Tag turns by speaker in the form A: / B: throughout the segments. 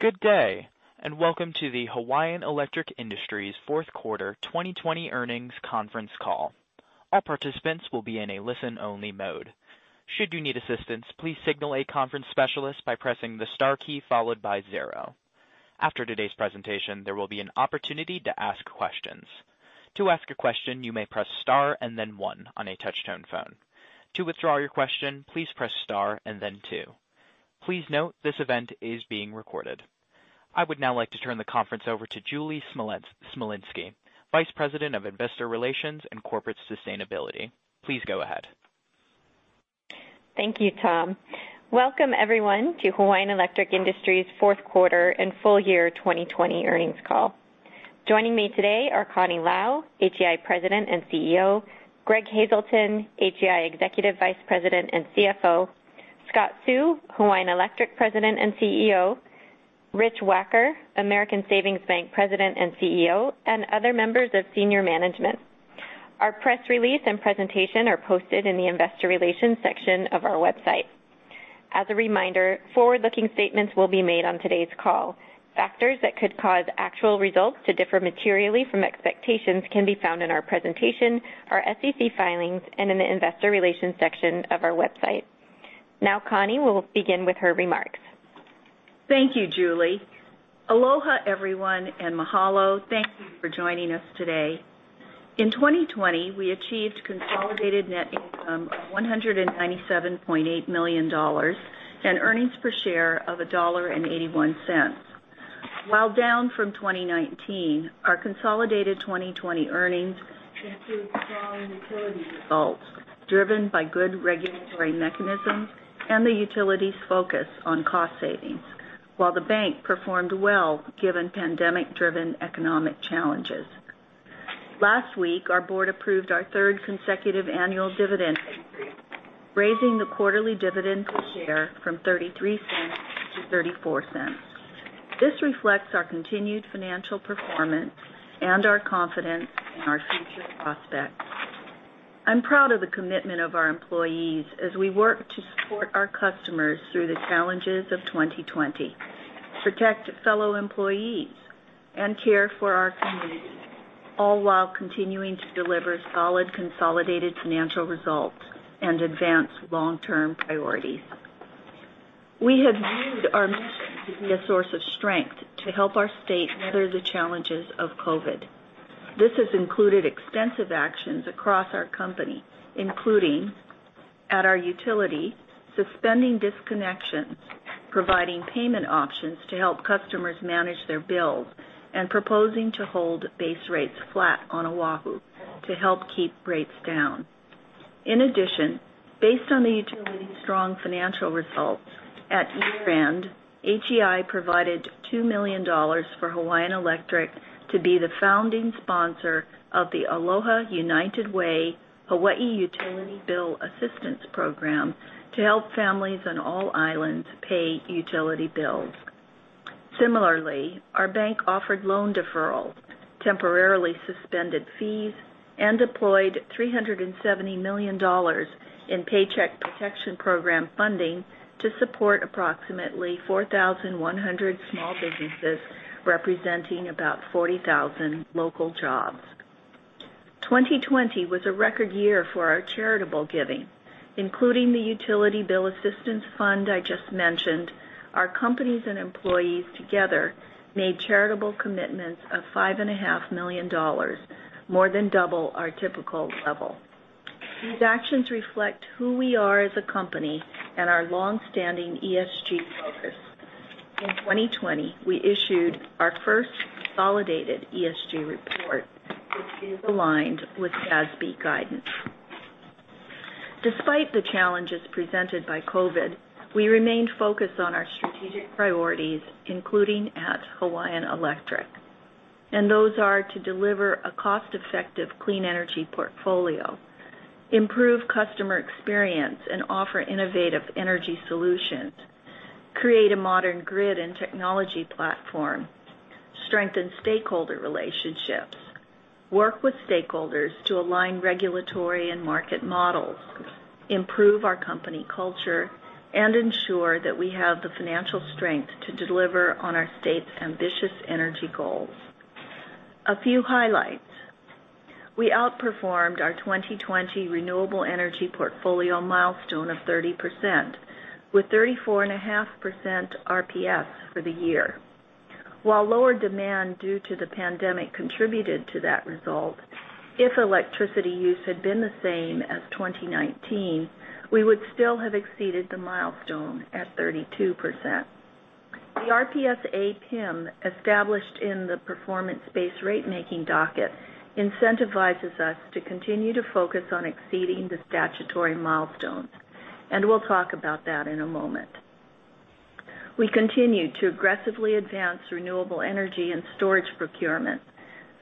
A: Good day, and welcome to the Hawaiian Electric Industries Fourth Quarter 2020 Earnings Conference call. All participants will be in a listen-only mode. Should you need assistance, please signal a conference specialist by pressing the star key followed by zero. After today's presentation, there will be an opportunity to ask questions. To ask a question, you may press star and then one on a touch-tone phone. To withdraw you question, please press star and then two. Please note, this event is being recorded. I would now like to turn the conference over to Julie Smolinski, Vice President of Investor Relations and Corporate Sustainability. Please go ahead.
B: Thank you, Tom. Welcome, everyone, to Hawaiian Electric Industries Fourth Quarter and Full Year 2020 Earnings Call. Joining me today are Connie Lau, HEI President and CEO, Greg Hazelton, HEI Executive Vice President and CFO, Scott Seu, Hawaiian Electric President and CEO, Rich Wacker, American Savings Bank President and CEO, and other members of senior management. Our press release and presentation are posted in the investor relations section of our website. As a reminder, forward-looking statements will be made on today's call. Factors that could cause actual results to differ materially from expectations can be found in our presentation, our SEC filings, and in the investor relations section of our website. Now, Connie will begin with her remarks.
C: Thank you, Julie. Aloha, everyone, and mahalo. Thank you for joining us today. In 2020, we achieved consolidated net income of $197.8 million and earnings per share of $1.81. While down from 2019, our consolidated 2020 earnings include strong utility results driven by good regulatory mechanisms and the utility's focus on cost savings, while the bank performed well given pandemic-driven economic challenges. Last week, our board approved our third consecutive annual dividend increase, raising the quarterly dividend per share from $0.33 to $0.34. This reflects our continued financial performance and our confidence in our future prospects. I'm proud of the commitment of our employees as we work to support our customers through the challenges of 2020, protect fellow employees, and care for our community, all while continuing to deliver solid consolidated financial results and advance long-term priorities. We have viewed our mission to be a source of strength to help our state weather the challenges of COVID. This has included extensive actions across our company, including, at our utility, suspending disconnections, providing payment options to help customers manage their bills, and proposing to hold base rates flat on O'ahu to help keep rates down. In addition, based on the utility's strong financial results at year-end, HEI provided $2 million for Hawaiian Electric to be the founding sponsor of the Aloha United Way Hawaii Utility Bill Assistance Program to help families on all islands pay utility bills. Similarly, our bank offered loan deferrals, temporarily suspended fees, and deployed $370 million in Paycheck Protection Program funding to support approximately 4,100 small businesses, representing about 40,000 local jobs. 2020 was a record year for our charitable giving. Including the utility bill assistance fund I just mentioned, our companies and employees together made charitable commitments of $5.5 million, more than double our typical level. These actions reflect who we are as a company and our longstanding ESG focus. In 2020, we issued our first consolidated ESG report, which is aligned with SASB guidance. Despite the challenges presented by COVID, we remained focused on our strategic priorities, including at Hawaiian Electric. Those are to deliver a cost-effective clean energy portfolio, improve customer experience, and offer innovative energy solutions, create a modern grid and technology platform, strengthen stakeholder relationships, work with stakeholders to align regulatory and market models, improve our company culture, and ensure that we have the financial strength to deliver on our state's ambitious energy goals. A few highlights. We outperformed our 2020 renewable energy portfolio milestone of 30%, with 34.5% RPS for the year. While lower demand due to the pandemic contributed to that result, if electricity use had been the same as 2019, we would still have exceeded the milestone at 32%. The RPS-A PIM, established in the performance-based ratemaking docket, incentivizes us to continue to focus on exceeding the statutory milestones, and we'll talk about that in a moment. We continue to aggressively advance renewable energy and storage procurement,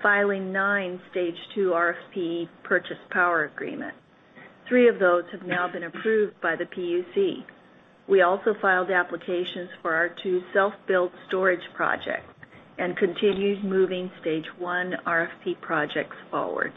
C: filing nine stage two RFP purchase power agreements. Three of those have now been approved by the PUC. We also filed applications for our two self-built storage projects and continued moving stage one RFP projects forward.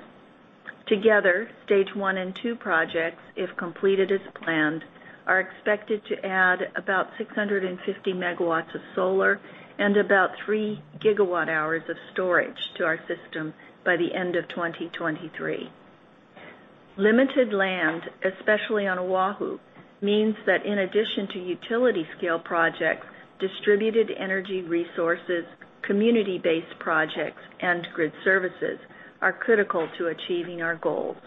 C: Together, stage one and two projects, if completed as planned, are expected to add about 650 MW of solar and about 3 GWh of storage to our system by the end of 2023. Limited land, especially on O'ahu, means that in addition to utility scale projects, distributed energy resources, community-based projects, and grid services are critical to achieving our goals.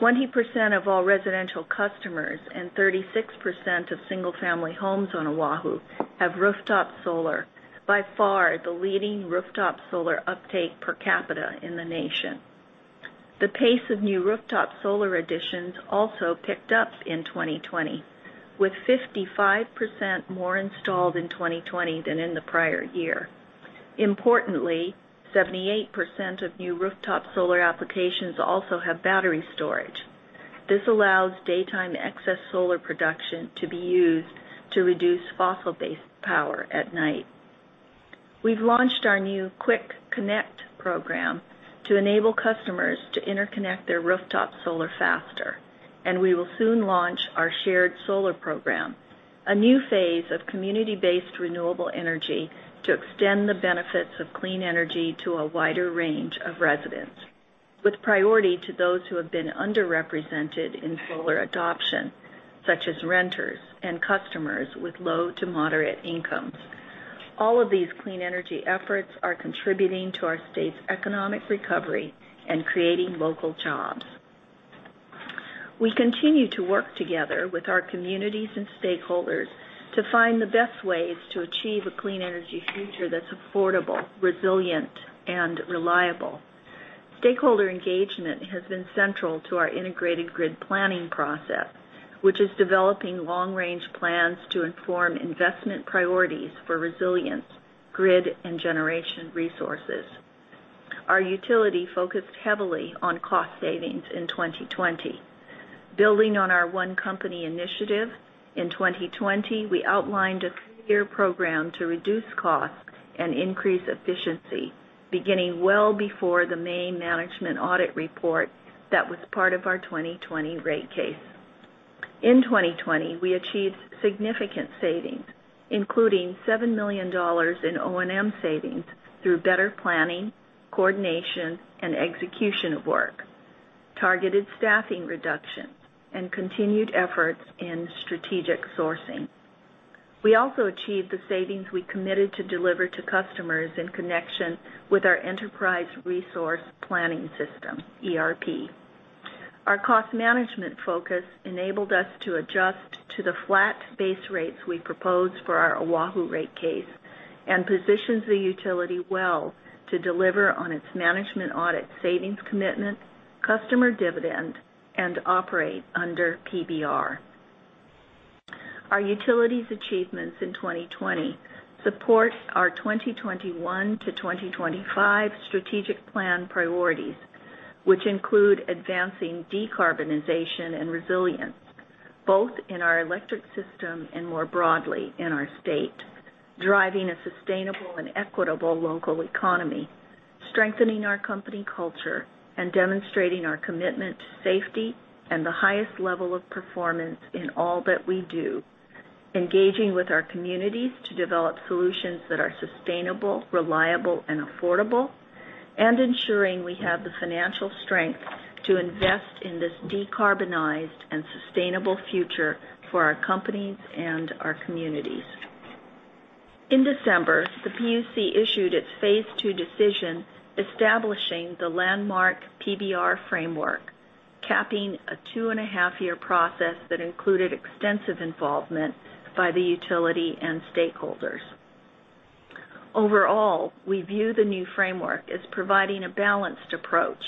C: 20% of all residential customers and 36% of single-family homes on O'ahu have rooftop solar, by far the leading rooftop solar uptake per capita in the nation. The pace of new rooftop solar additions also picked up in 2020, with 55% more installed in 2020 than in the prior year. Importantly, 78% of new rooftop solar applications also have battery storage. This allows daytime excess solar production to be used to reduce fossil-based power at night. We've launched our new Quick Connect program to enable customers to interconnect their rooftop solar faster. We will soon launch our shared solar program, a new phase of community-based renewable energy to extend the benefits of clean energy to a wider range of residents, with priority to those who have been underrepresented in solar adoption, such as renters and customers with low to moderate incomes. All of these clean energy efforts are contributing to our state's economic recovery and creating local jobs. We continue to work together with our communities and stakeholders to find the best ways to achieve a clean energy future that's affordable, resilient, and reliable. Stakeholder engagement has been central to our integrated grid planning process, which is developing long-range plans to inform investment priorities for resilience, grid, and generation resources. Our utility focused heavily on cost savings in 2020. Building on our One Company initiative, in 2020, we outlined a three-year program to reduce costs and increase efficiency, beginning well before the main management audit report that was part of our 2020 rate case. In 2020, we achieved significant savings, including $7 million in O&M savings through better planning, coordination, and execution of work, targeted staffing reductions, and continued efforts in strategic sourcing. We also achieved the savings we committed to deliver to customers in connection with our enterprise resource planning system, ERP. Our cost management focus enabled us to adjust to the flat base rates we proposed for our O'ahu rate case and positions the utility well to deliver on its management audit savings commitment, customer dividend, and operate under PBR. Our utility's achievements in 2020 support our 2021 to 2025 strategic plan priorities, which include advancing decarbonization and resilience, both in our electric system and more broadly in our state, driving a sustainable and equitable local economy, strengthening our company culture, and demonstrating our commitment to safety and the highest level of performance in all that we do, engaging with our communities to develop solutions that are sustainable, reliable, and affordable, and ensuring we have the financial strength to invest in this decarbonized and sustainable future for our companies and our communities. In December, the PUC issued its phase two decision, establishing the landmark PBR framework, capping a 2.5 year process that included extensive involvement by the utility and stakeholders. Overall, we view the new framework as providing a balanced approach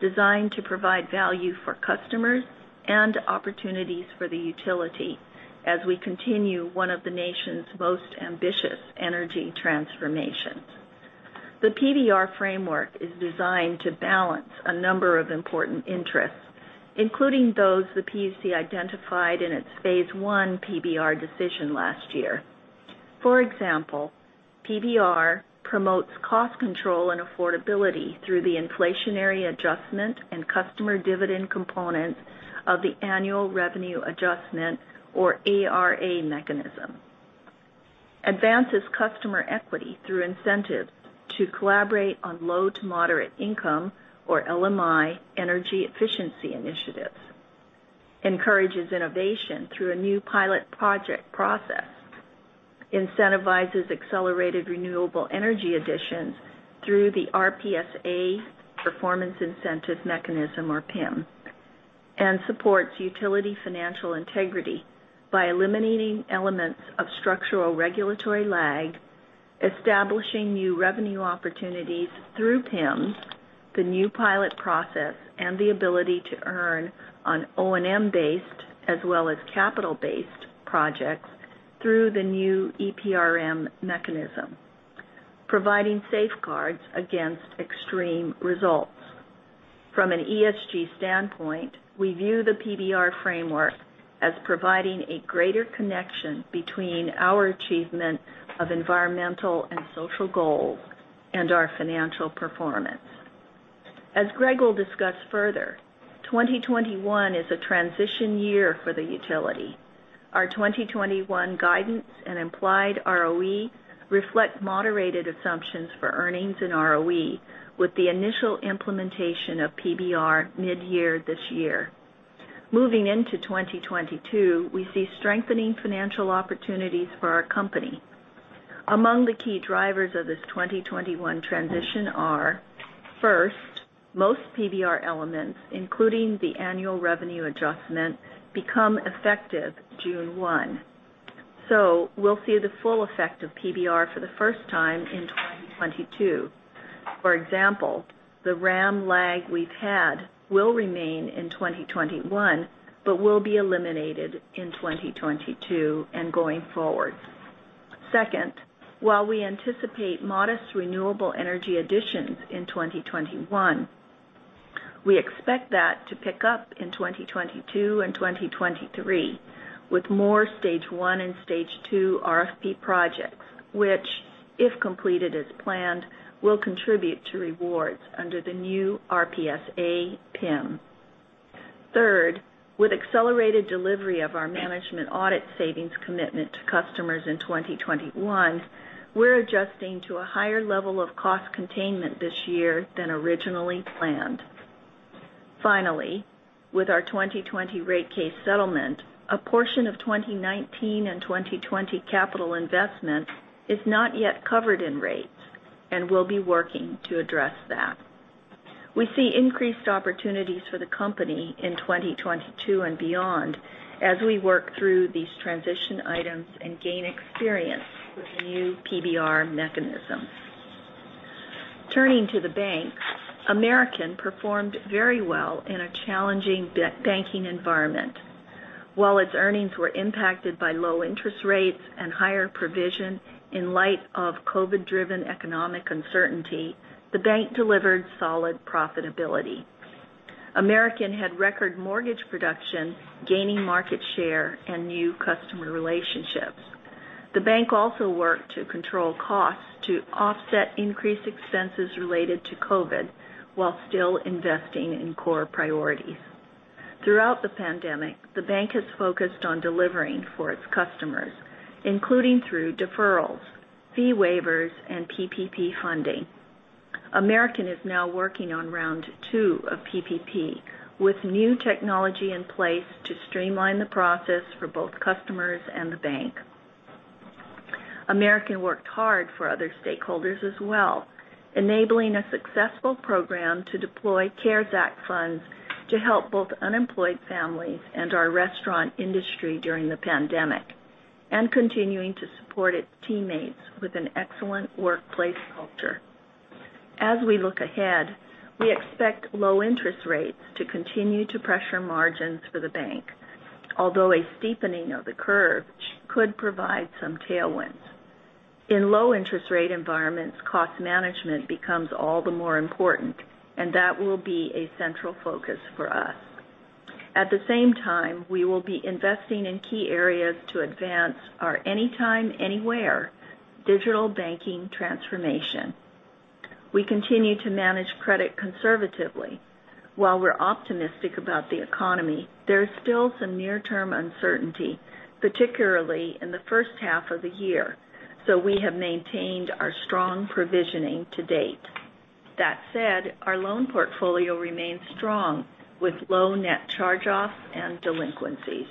C: designed to provide value for customers and opportunities for the utility as we continue one of the nation's most ambitious energy transformations. The PBR framework is designed to balance a number of important interests, including those the PUC identified in its phase one PBR decision last year. For example, PBR promotes cost control and affordability through the inflationary adjustment and customer dividend components of the annual revenue adjustment, or ARA mechanism, advances customer equity through incentives to collaborate on low to moderate income, or LMI, energy efficiency initiatives, encourages innovation through a new pilot project process, incentivizes accelerated renewable energy additions through the RPS-A performance incentive mechanism, or PIM, and supports utility financial integrity by eliminating elements of structural regulatory lag, establishing new revenue opportunities through PIM, the new pilot process, and the ability to earn on O&M-based as well as capital-based projects through the new EPRM mechanism, providing safeguards against extreme results. From an ESG standpoint, we view the PBR framework as providing a greater connection between our achievement of environmental and social goals and our financial performance. As Greg will discuss further, 2021 is a transition year for the utility. Our 2021 guidance and implied ROE reflect moderated assumptions for earnings and ROE with the initial implementation of PBR midyear this year. Moving into 2022, we see strengthening financial opportunities for our company. Among the key drivers of this 2021 transition are, first, most PBR elements, including the annual revenue adjustment, become effective June 1. We'll see the full effect of PBR for the first time in 2022. For example, the RAM lag we've had will remain in 2021, but will be eliminated in 2022 and going forward. Second, while we anticipate modest renewable energy additions in 2021, we expect that to pick up in 2022 and 2023 with more stage one and stage two RFP projects, which, if completed as planned, will contribute to rewards under the new RPS-A PIM. Third, with accelerated delivery of our management audit savings commitment to customers in 2021, we're adjusting to a higher level of cost containment this year than originally planned. Finally, with our 2020 rate case settlement, a portion of 2019 and 2020 capital investments is not yet covered in rates, and we'll be working to address that. We see increased opportunities for the company in 2022 and beyond as we work through these transition items and gain experience with the new PBR mechanism. Turning to the bank, American performed very well in a challenging banking environment. While its earnings were impacted by low interest rates and higher provision in light of COVID-driven economic uncertainty, the bank delivered solid profitability. American had record mortgage production, gaining market share and new customer relationships. The bank also worked to control costs to offset increased expenses related to COVID while still investing in core priorities. Throughout the pandemic, the bank has focused on delivering for its customers, including through deferrals, fee waivers, and PPP funding. American is now working on round two of PPP with new technology in place to streamline the process for both customers and the bank. American worked hard for other stakeholders as well, enabling a successful program to deploy CARES Act funds to help both unemployed families and our restaurant industry during the pandemic, and continuing to support its teammates with an excellent workplace culture. As we look ahead, we expect low interest rates to continue to pressure margins for the bank, although a steepening of the curve could provide some tailwinds. In low interest rate environments, cost management becomes all the more important, and that will be a central focus for us. At the same time, we will be investing in key areas to advance our anytime, anywhere digital banking transformation. We continue to manage credit conservatively. While we're optimistic about the economy, there is still some near-term uncertainty, particularly in the first half of the year, so we have maintained our strong provisioning to date. That said, our loan portfolio remains strong with low net charge-offs and delinquencies.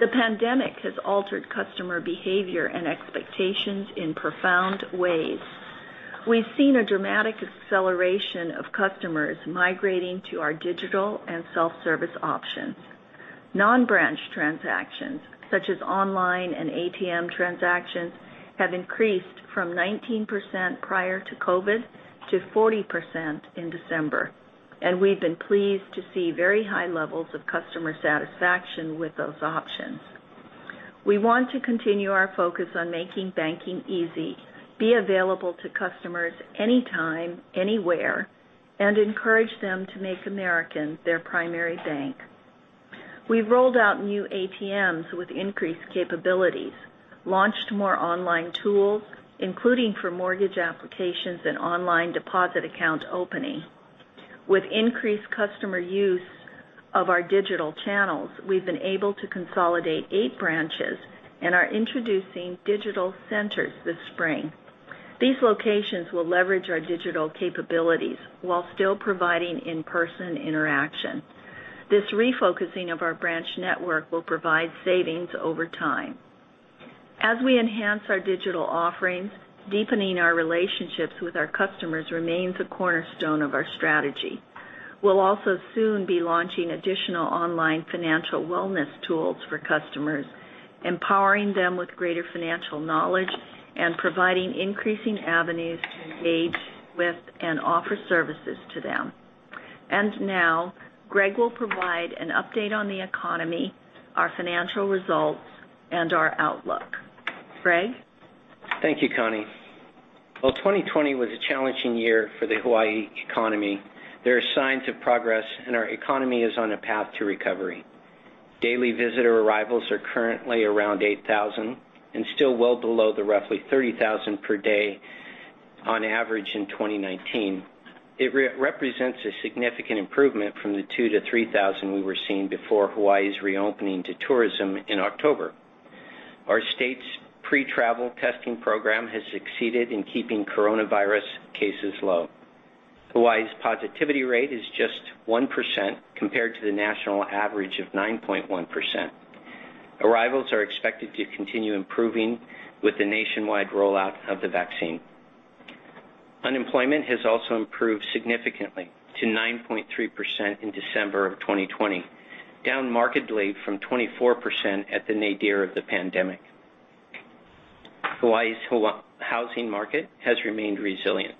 C: The pandemic has altered customer behavior and expectations in profound ways. We've seen a dramatic acceleration of customers migrating to our digital and self-service options. Non-branch transactions, such as online and ATM transactions, have increased from 19% prior to COVID to 40% in December, and we've been pleased to see very high levels of customer satisfaction with those options. We want to continue our focus on making banking easy, be available to customers anytime, anywhere, and encourage them to make American their primary bank. We've rolled out new ATMs with increased capabilities, launched more online tools, including for mortgage applications and online deposit account opening. With increased customer use of our digital channels, we've been able to consolidate eight branches and are introducing digital centers this spring. These locations will leverage our digital capabilities while still providing in-person interaction. This refocusing of our branch network will provide savings over time. As we enhance our digital offerings, deepening our relationships with our customers remains a cornerstone of our strategy. We'll also soon be launching additional online financial wellness tools for customers, empowering them with greater financial knowledge and providing increasing avenues to engage with and offer services to them. Now, Greg will provide an update on the economy, our financial results, and our outlook. Greg?
D: Thank you, Connie. Well, 2020 was a challenging year for the Hawaii economy. There are signs of progress, and our economy is on a path to recovery. Daily visitor arrivals are currently around 8,000 and still well below the roughly 30,000 per day on average in 2019. It represents a significant improvement from the 2,000-3,000 we were seeing before Hawaii's reopening to tourism in October. Our state's pre-travel testing program has succeeded in keeping coronavirus cases low. Hawaii's positivity rate is just 1%, compared to the national average of 9.1%. Arrivals are expected to continue improving with the nationwide rollout of the vaccine. Unemployment has also improved significantly to 9.3% in December of 2020, down markedly from 24% at the nadir of the pandemic. Hawaii's housing market has remained resilient,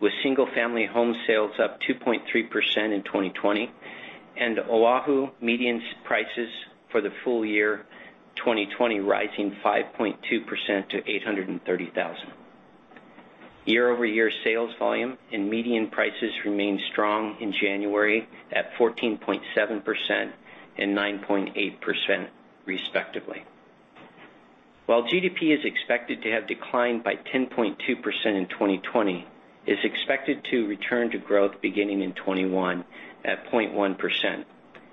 D: with single-family home sales up 2.3% in 2020, and O'ahu median prices for the full year 2020 rising 5.2% to $830,000. Year-over-year sales volume and median prices remained strong in January at 14.7% and 9.8%, respectively. While GDP is expected to have declined by 10.2% in 2020, it's expected to return to growth beginning in 2021 at 0.1%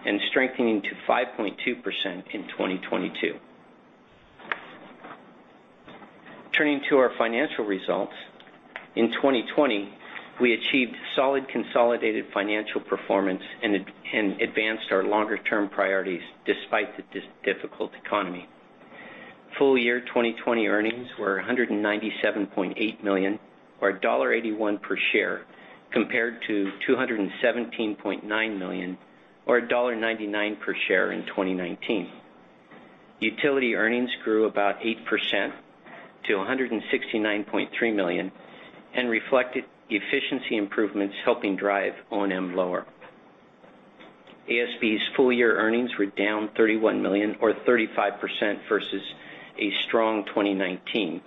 D: and strengthening to 5.2% in 2022. Turning to our financial results. In 2020, we achieved solid consolidated financial performance and advanced our longer-term priorities despite the difficult economy. Full year 2020 earnings were $197.8 million, or $1.81 per share, compared to $217.9 million or $1.99 per share in 2019. Utility earnings grew about 8% to $169.3 million and reflected efficiency improvements, helping drive O&M lower. ASB's full-year earnings were down $31 million or 35% versus a strong 2019,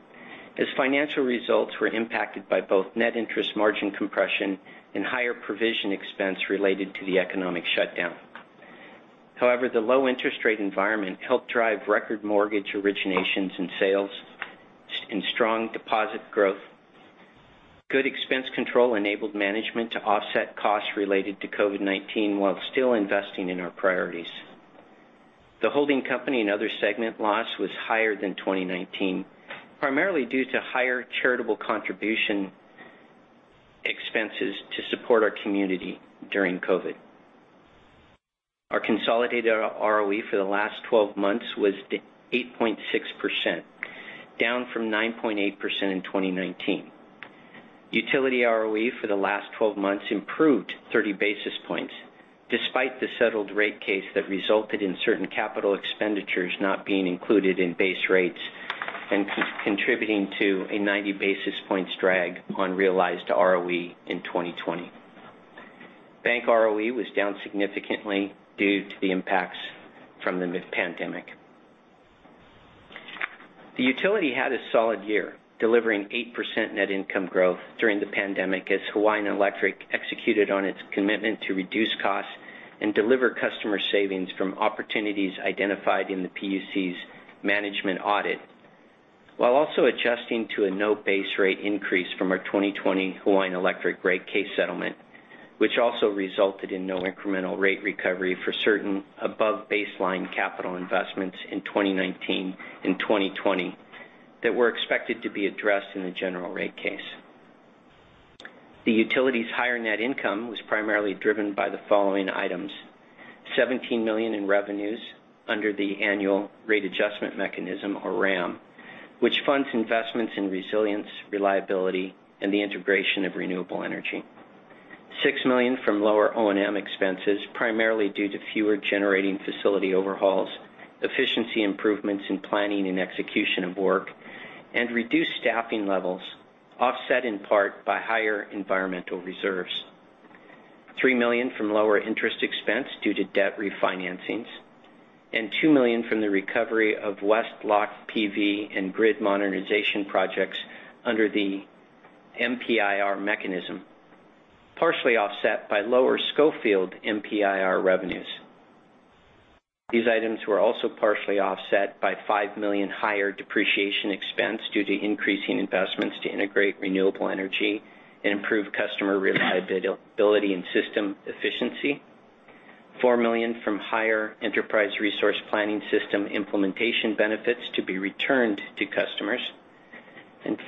D: as financial results were impacted by both net interest margin compression and higher provision expense related to the economic shutdown. The low interest rate environment helped drive record mortgage originations and sales and strong deposit growth. Good expense control enabled management to offset costs related to COVID-19 while still investing in our priorities. The holding company and other segment loss was higher than 2019, primarily due to higher charitable contribution expenses to support our community during COVID. Our consolidated ROE for the last 12 months was 8.6%, down from 9.8% in 2019. Utility ROE for the last 12 months improved 30 basis points, despite the settled rate case that resulted in certain capital expenditures not being included in base rates and contributing to a 90 basis points drag on realized ROE in 2020. Bank ROE was down significantly due to the impacts from the pandemic. The utility had a solid year, delivering 8% net income growth during the pandemic as Hawaiian Electric executed on its commitment to reduce costs and deliver customer savings from opportunities identified in the PUC's management audit, while also adjusting to a no base rate increase from our 2020 Hawaiian Electric rate case settlement, which also resulted in no incremental rate recovery for certain above baseline capital investments in 2019 and 2020 that were expected to be addressed in the general rate case. The utility's higher net income was primarily driven by the following items: $17 million in revenues under the annual rate adjustment mechanism, or RAM, which funds investments in resilience, reliability, and the integration of renewable energy. $6 million from lower O&M expenses, primarily due to fewer generating facility overhauls, efficiency improvements in planning and execution of work, and reduced staffing levels, offset in part by higher environmental reserves. $3 million from lower interest expense due to debt refinancings, and $2 million from the recovery of West Loch PV and grid modernization projects under the MPIR mechanism, partially offset by lower Schofield MPIR revenues. These items were also partially offset by $5 million higher depreciation expense due to increasing investments to integrate renewable energy and improve customer reliability and system efficiency. $4 million from higher enterprise resource planning system implementation benefits to be returned to customers.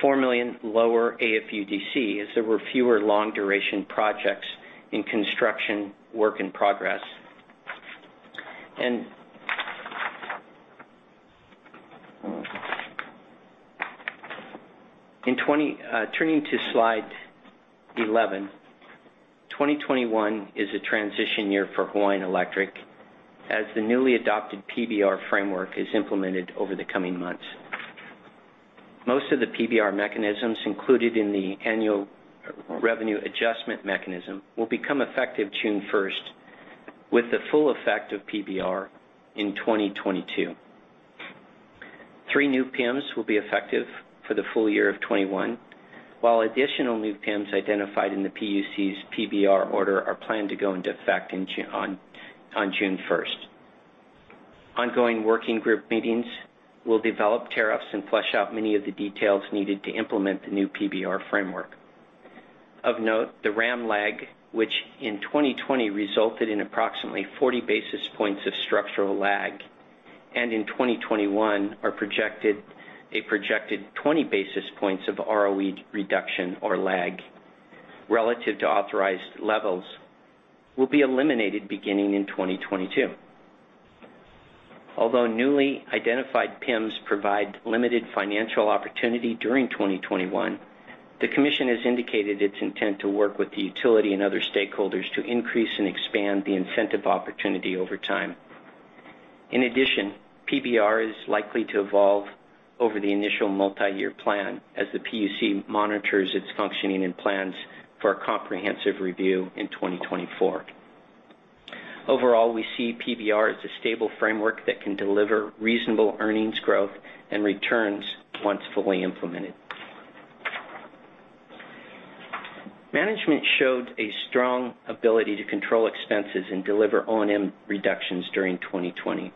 D: $4 million lower AFUDC, as there were fewer long-duration projects in construction work in progress. Turning to slide 11, 2021 is a transition year for Hawaiian Electric, as the newly adopted PBR framework is implemented over the coming months. Most of the PBR mechanisms included in the annual revenue adjustment mechanism will become effective June 1st, with the full effect of PBR in 2022. Three new PIMs will be effective for the full year of 2021, while additional new PIMs identified in the PUC's PBR order are planned to go into effect on June 1st. Ongoing working group meetings will develop tariffs and flesh out many of the details needed to implement the new PBR framework. Of note, the RAM lag, which in 2020 resulted in approximately 40 basis points of structural lag, and in 2021, a projected 20 basis points of ROE reduction or lag relative to authorized levels, will be eliminated beginning in 2022. Although newly identified PIMs provide limited financial opportunity during 2021, the commission has indicated its intent to work with the utility and other stakeholders to increase and expand the incentive opportunity over time. In addition, PBR is likely to evolve over the initial multi-year plan as the PUC monitors its functioning and plans for a comprehensive review in 2024. Overall, we see PBR as a stable framework that can deliver reasonable earnings growth and returns once fully implemented. Management showed a strong ability to control expenses and deliver O&M reductions during 2020,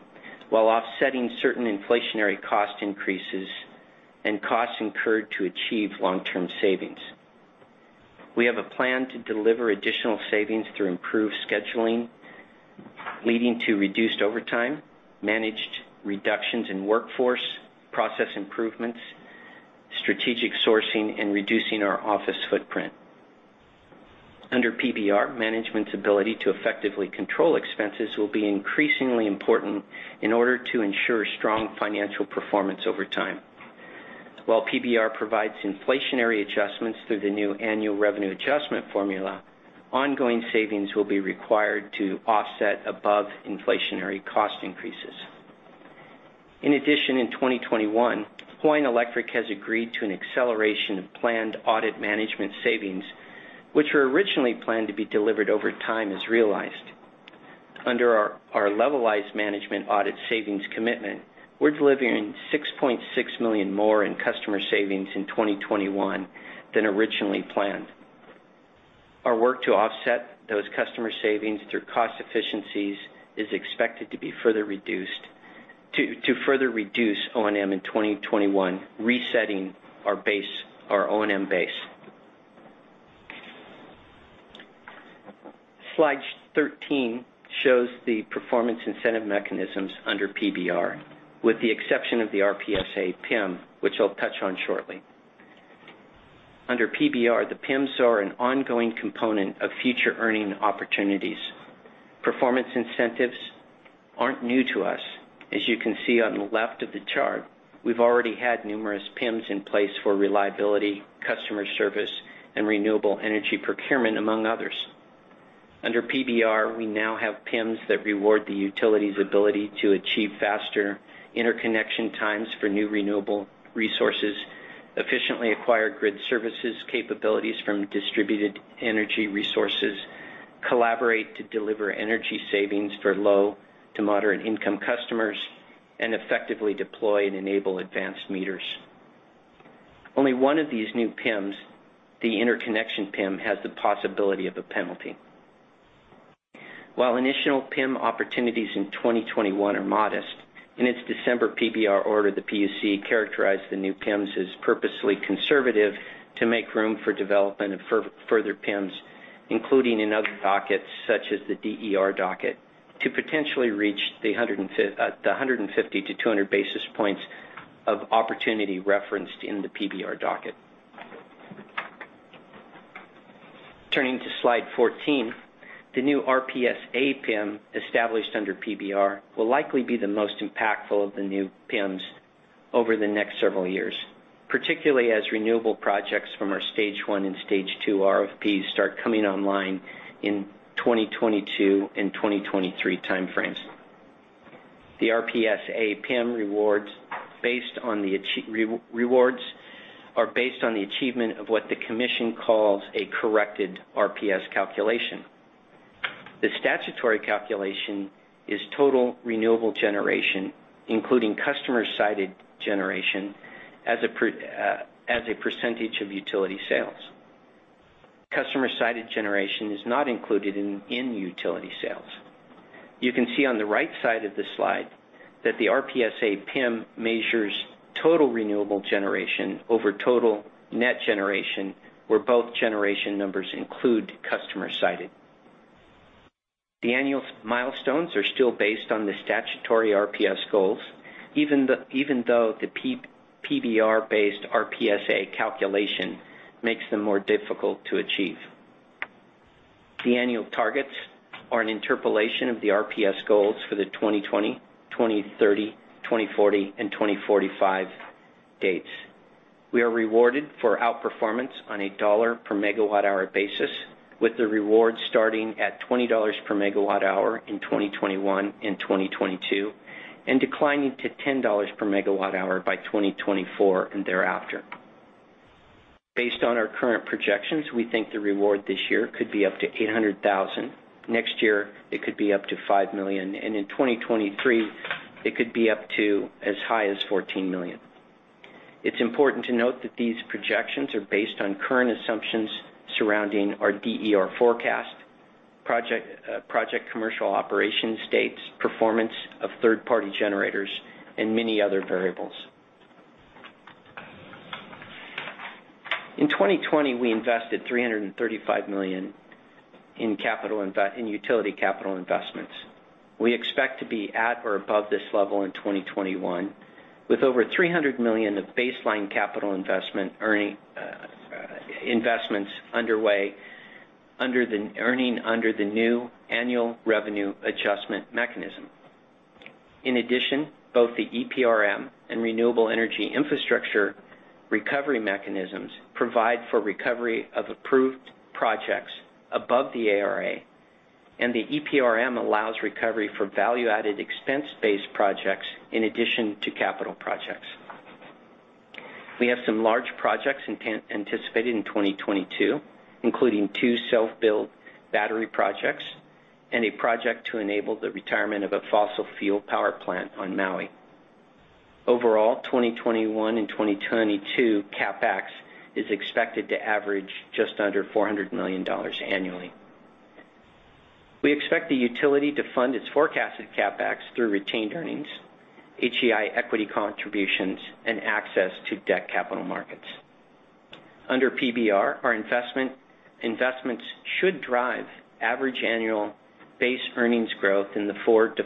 D: while offsetting certain inflationary cost increases and costs incurred to achieve long-term savings. We have a plan to deliver additional savings through improved scheduling, leading to reduced overtime, managed reductions in workforce, process improvements, strategic sourcing, and reducing our office footprint. Under PBR, management's ability to effectively control expenses will be increasingly important in order to ensure strong financial performance over time. While PBR provides inflationary adjustments through the new annual revenue adjustment formula, ongoing savings will be required to offset above-inflationary cost increases. In 2021, Hawaiian Electric has agreed to an acceleration of planned audit management savings, which were originally planned to be delivered over time as realized. Under our levelized management audit savings commitment, we're delivering $6.6 million more in customer savings in 2021 than originally planned. Our work to offset those customer savings through cost efficiencies is expected to further reduce O&M in 2021, resetting our O&M base. Slide 13 shows the performance incentive mechanisms under PBR, with the exception of the RPS-A PIM, which I'll touch on shortly. Under PBR, the PIMs are an ongoing component of future earning opportunities. Performance incentives aren't new to us. As you can see on the left of the chart, we've already had numerous PIMs in place for reliability, customer service, and renewable energy procurement, among others. Under PBR, we now have PIMs that reward the utility's ability to achieve faster interconnection times for new renewable resources, efficiently acquire grid services capabilities from distributed energy resources, collaborate to deliver energy savings for low to moderate income customers, and effectively deploy and enable advanced meters. Only one of these new PIMs, the interconnection PIM, has the possibility of a penalty. While initial PIM opportunities in 2021 are modest, in its December PBR order, the PUC characterized the new PIMs as purposely conservative to make room for development of further PIMs, including in other dockets such as the DER docket, to potentially reach the 150-200 basis points of opportunity referenced in the PBR docket. Turning to slide 14, the new RPS-A PIM established under PBR will likely be the most impactful of the new PIMs over the next several years, particularly as renewable projects from our stage one and stage two RFPs start coming online in 2022 and 2023 time frames. The RPS-A PIM rewards are based on the achievement of what the Commission calls a corrected RPS calculation. The statutory calculation is total renewable generation, including customer-sited generation, as a percentage of utility sales. Customer-sited generation is not included in utility sales. You can see on the right side of the slide that the RPS-A PIM measures total renewable generation over total net generation, where both generation numbers include customer sited. The annual milestones are still based on the statutory RPS goals, even though the PBR-based RPS-A calculation makes them more difficult to achieve. The annual targets are an interpolation of the RPS goals for the 2020, 2030, 2040, and 2045 dates. We are rewarded for outperformance on a dollar per megawatt hour basis, with the reward starting at $20 per megawatt hour in 2021 and 2022, and declining to $10 per megawatt hour by 2024 and thereafter. Based on our current projections, we think the reward this year could be up to $800,000. Next year, it could be up to $5 million. In 2023, it could be up to as high as $14 million. It's important to note that these projections are based on current assumptions surrounding our DER forecast, project commercial operation dates, performance of third-party generators, and many other variables. In 2020, we invested $335 million in utility capital investments. We expect to be at or above this level in 2021, with over $300 million of baseline capital investment earnings investments underway, earning under the new Annual Revenue Adjustment Mechanism. Both the EPRM and Renewable Energy Infrastructure Recovery Mechanisms provide for recovery of approved projects above the ARA, and the EPRM allows recovery for value-added expense-based projects in addition to capital projects. We have some large projects anticipated in 2022, including two self-built battery projects and a project to enable the retirement of a fossil fuel power plant on Maui. Overall, 2021 and 2022 CapEx is expected to average just under $400 million annually. We expect the utility to fund its forecasted CapEx through retained earnings, HEI equity contributions, and access to debt capital markets. Under PBR, our investments should drive average annual base earnings growth in the 4%-5%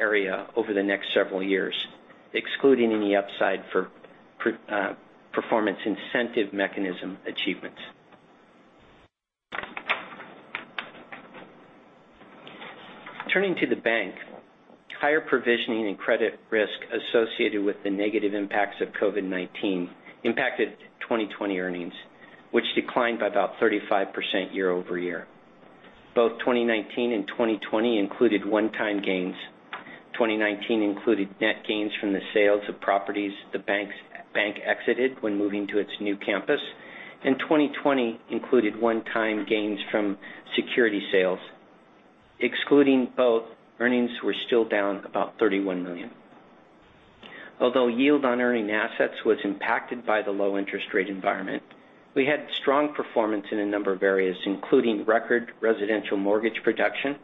D: area over the next several years, excluding any upside for Performance Incentive Mechanisms achievements. Turning to the bank, higher provisioning and credit risk associated with the negative impacts of COVID-19 impacted 2020 earnings, which declined by about 35% year-over-year. Both 2019 and 2020 included one-time gains. 2019 included net gains from the sales of properties the bank exited when moving to its new campus, and 2020 included one-time gains from security sales. Excluding both, earnings were still down about $31 million. Although yield on earning assets was impacted by the low interest rate environment, we had strong performance in a number of areas, including record residential mortgage production,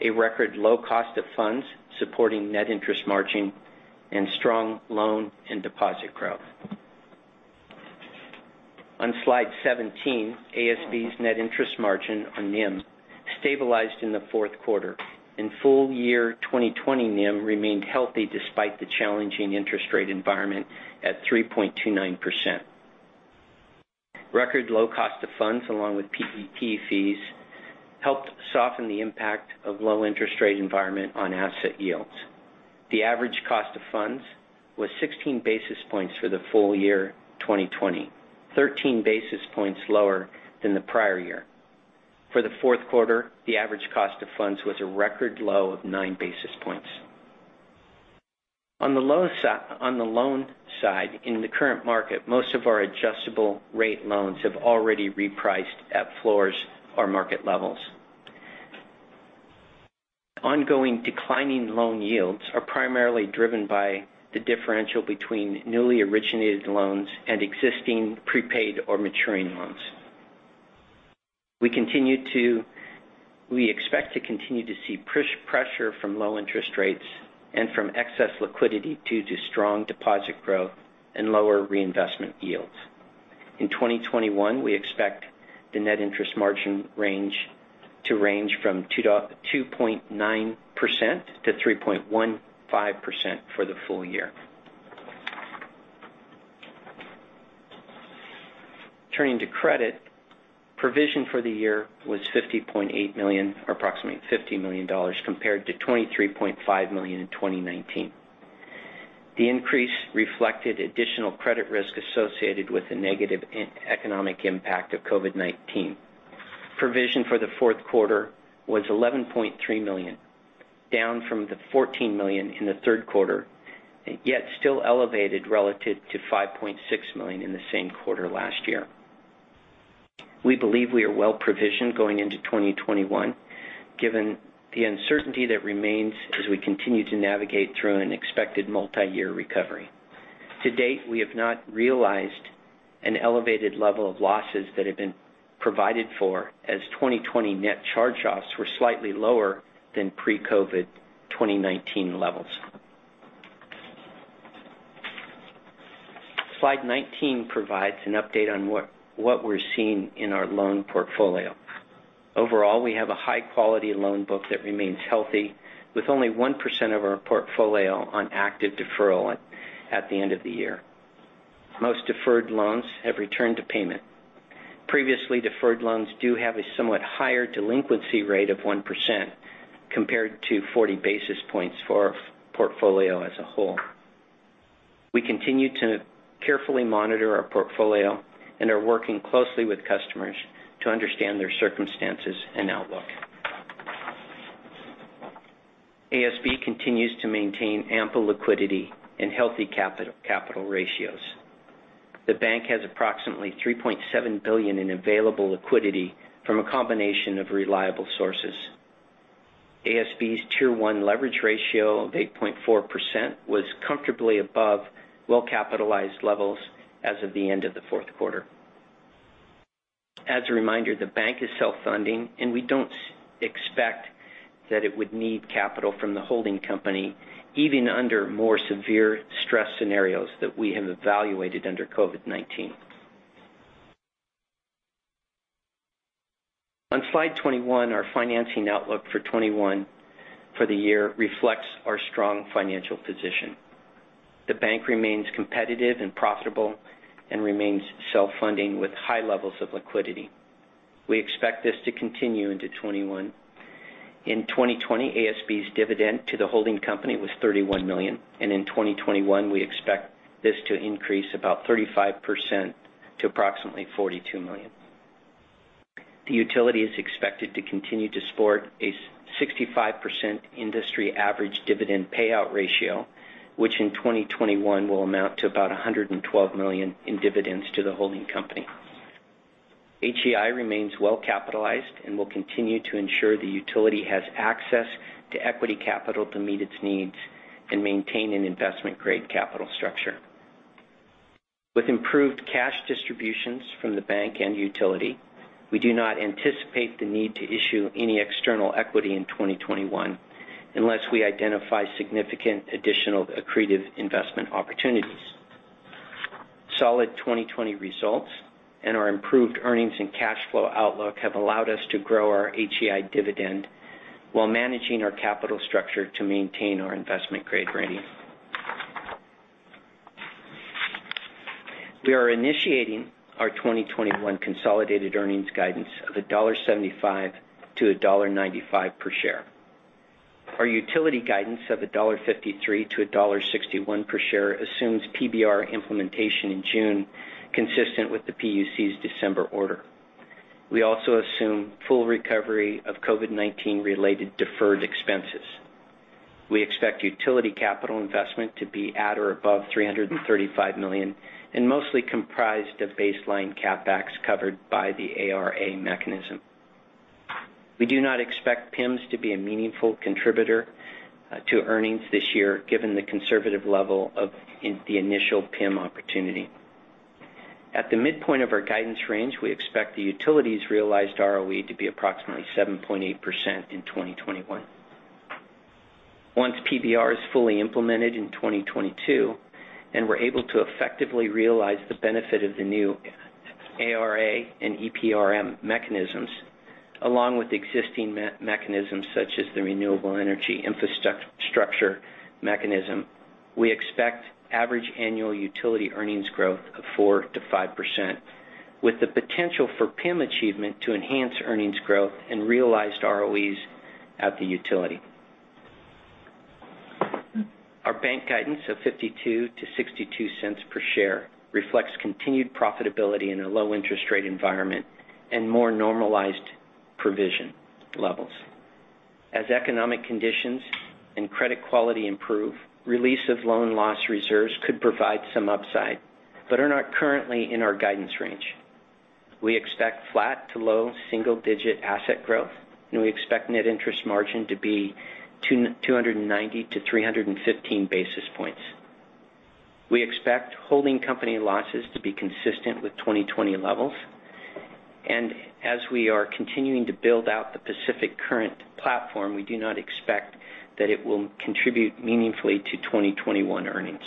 D: a record low cost of funds supporting net interest margin, and strong loan and deposit growth. On slide 17, ASB's net interest margin, or NIM, stabilized in the fourth quarter. In full year 2020, NIM remained healthy despite the challenging interest rate environment at 3.29%. Record low cost of funds, along with PPP fees, helped soften the impact of low interest rate environment on asset yields. The average cost of funds was 16 basis points for the full year 2020, 13 basis points lower than the prior year. For the fourth quarter, the average cost of funds was a record low of nine basis points. On the loan side, in the current market, most of our adjustable rate loans have already repriced at floors or market levels. Ongoing declining loan yields are primarily driven by the differential between newly originated loans and existing prepaid or maturing loans. We expect to continue to see pressure from low interest rates and from excess liquidity due to strong deposit growth and lower reinvestment yields. In 2021, we expect the net interest margin to range from 2.9%-3.15% for the full year. Turning to credit, provision for the year was approximately $50 million compared to $23.5 million in 2019. The increase reflected additional credit risk associated with the negative economic impact of COVID-19. Provision for the fourth quarter was $11.3 million, down from the $14 million in the third quarter, yet still elevated relative to $5.6 million in the same quarter last year. We believe we are well-provisioned going into 2021, given the uncertainty that remains as we continue to navigate through an expected multi-year recovery. To date, we have not realized an elevated level of losses that have been provided for as 2020 net charge-offs were slightly lower than pre-COVID 2019 levels. Slide 19 provides an update on what we're seeing in our loan portfolio. Overall, we have a high-quality loan book that remains healthy, with only 1% of our portfolio on active deferral at the end of the year. Most deferred loans have returned to payment. Previously deferred loans do have a somewhat higher delinquency rate of 1%, compared to 40 basis points for our portfolio as a whole. We continue to carefully monitor our portfolio and are working closely with customers to understand their circumstances and outlook. ASB continues to maintain ample liquidity and healthy capital ratios. The bank has approximately $3.7 billion in available liquidity from a combination of reliable sources. ASB's Tier 1 leverage ratio of 8.4% was comfortably above well-capitalized levels as of the end of the fourth quarter. As a reminder, the bank is self-funding, and we don't expect that it would need capital from the holding company, even under more severe stress scenarios that we have evaluated under COVID-19. On slide 21, our financing outlook for 2021 for the year reflects our strong financial position. The bank remains competitive and profitable and remains self-funding with high levels of liquidity. We expect this to continue into 2021. In 2020, ASB's dividend to the holding company was $31 million, and in 2021, we expect this to increase about 35% to approximately $42 million. The utility is expected to continue to sport a 65% industry average dividend payout ratio, which in 2021 will amount to about $112 million in dividends to the holding company. HEI remains well-capitalized and will continue to ensure the utility has access to equity capital to meet its needs and maintain an investment-grade capital structure. With improved cash distributions from the bank and utility, we do not anticipate the need to issue any external equity in 2021 unless we identify significant additional accretive investment opportunities. Solid 2020 results and our improved earnings and cash flow outlook have allowed us to grow our HEI dividend while managing our capital structure to maintain our investment-grade rating. We are initiating our 2021 consolidated earnings guidance of $1.75-$1.95 per share. Our utility guidance of $1.53-$1.61 per share assumes PBR implementation in June, consistent with the PUC's December order. We also assume full recovery of COVID-19 related deferred expenses. We expect utility capital investment to be at or above $335 million and mostly comprised of baseline CapEx covered by the ARA mechanism. We do not expect PIMs to be a meaningful contributor to earnings this year, given the conservative level of the initial PIM opportunity. At the midpoint of our guidance range, we expect the utilities realized ROE to be approximately 7.8% in 2021. Once PBR is fully implemented in 2022, and we're able to effectively realize the benefit of the new ARA and EPRM mechanisms, along with existing mechanisms such as the renewable energy infrastructure mechanism, we expect average annual utility earnings growth of 4%-5%, with the potential for PIM achievement to enhance earnings growth and realized ROEs at the utility. Our bank guidance of $0.52-$0.62 per share reflects continued profitability in a low interest rate environment and more normalized provision levels. As economic conditions and credit quality improve, release of loan loss reserves could provide some upside, but are not currently in our guidance range. We expect flat to low single-digit asset growth. We expect net interest margin to be 290-315 basis points. We expect holding company losses to be consistent with 2020 levels. As we are continuing to build out the Pacific Current platform, we do not expect that it will contribute meaningfully to 2021 earnings.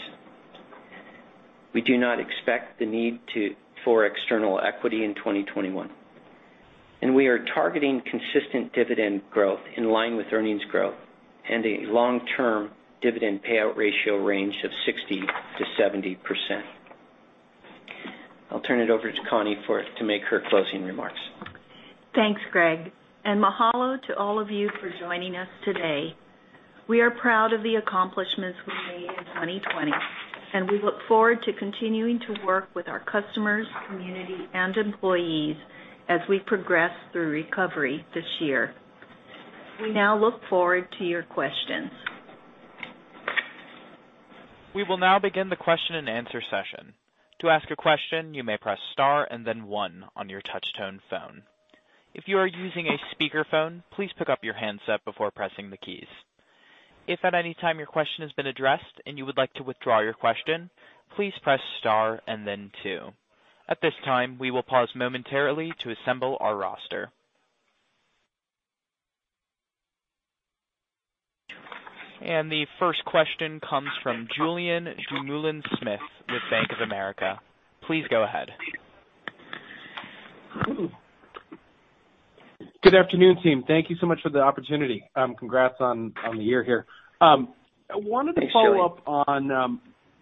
D: We do not expect the need for external equity in 2021. We are targeting consistent dividend growth in line with earnings growth and a long-term dividend payout ratio range of 60%-70%. I'll turn it over to Connie to make her closing remarks.
C: Thanks, Greg, and mahalo to all of you for joining us today. We are proud of the accomplishments we made in 2020, and we look forward to continuing to work with our customers, community, and employees as we progress through recovery this year. We now look forward to your questions.
A: We will now begin the question and answer session. To ask a question, you may press star and then one on your touch-tone phone. If you are using a speakerphone, please pick-up your handset before pressing the keys. If at anytime your question has been addressed and you would like to withdraw your question, please press star and then two. At this time, we will pause momentarily to assemble our roster. The first question comes from Julien Dumoulin-Smith with Bank of America. Please go ahead.
E: Good afternoon, team. Thank you so much for the opportunity. Congrats on the year here.
D: Thanks, Julien.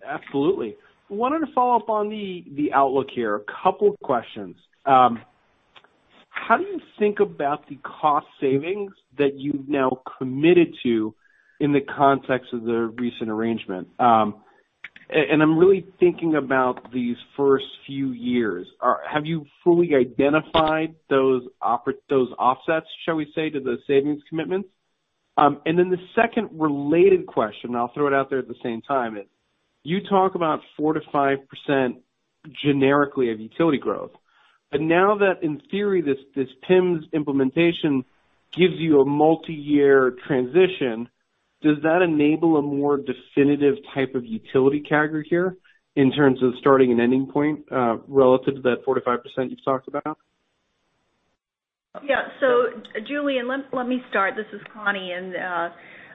E: Absolutely. Wanted to follow up on the outlook here. A couple of questions. How do you think about the cost savings that you've now committed to in the context of the recent arrangement? I'm really thinking about these first few years. Have you fully identified those offsets, shall we say, to the savings commitments? Then the second related question, I'll throw it out there at the same time is, you talk about 4% to 5% generically of utility growth. Now that in theory, this PIMs implementation gives you a multi-year transition, does that enable a more definitive type of utility CAGR here in terms of starting and ending point relative to that 4% to 5% you've talked about?
C: Yeah. Julien, let me start. This is Connie.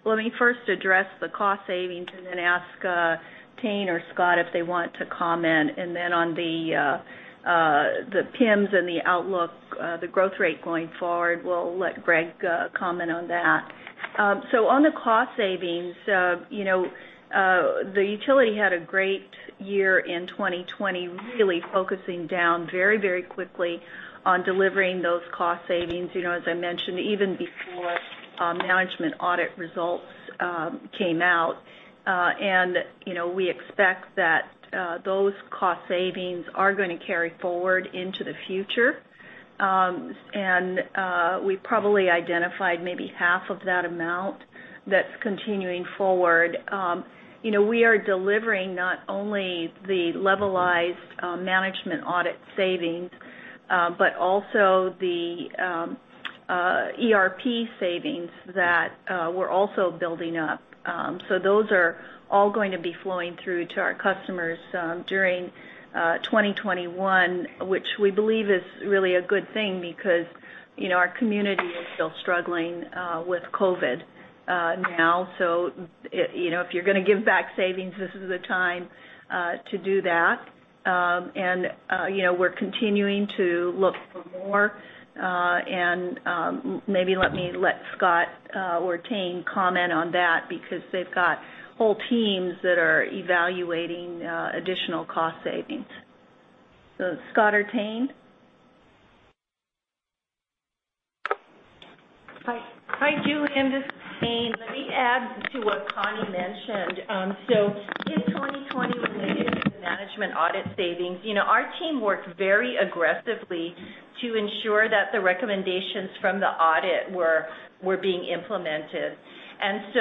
C: Let me first address the cost savings and then ask Tayne or Scott if they want to comment. On the PIMs and the outlook, the growth rate going forward, we'll let Greg comment on that. On the cost savings, the utility had a great year in 2020, really focusing down very quickly on delivering those cost savings as I mentioned, even before management audit results came out. We expect that those cost savings are going to carry forward into the future. We've probably identified maybe half of that amount that's continuing forward. We are delivering not only the levelized management audit savings, but also the ERP savings that we're also building up. Those are all going to be flowing through to our customers during 2021, which we believe is really a good thing because our community is still struggling with COVID now. If you're going to give back savings, this is the time to do that. We're continuing to look for more and maybe let me let Scott or Tayne comment on that because they've got whole teams that are evaluating additional cost savings. Scott or Tayne?
F: Hi, Julien, this is Tayne. Let me add to what Connie mentioned. In 2020, when we did the management audit savings, our team worked very aggressively to ensure that the recommendations from the audit were being implemented. In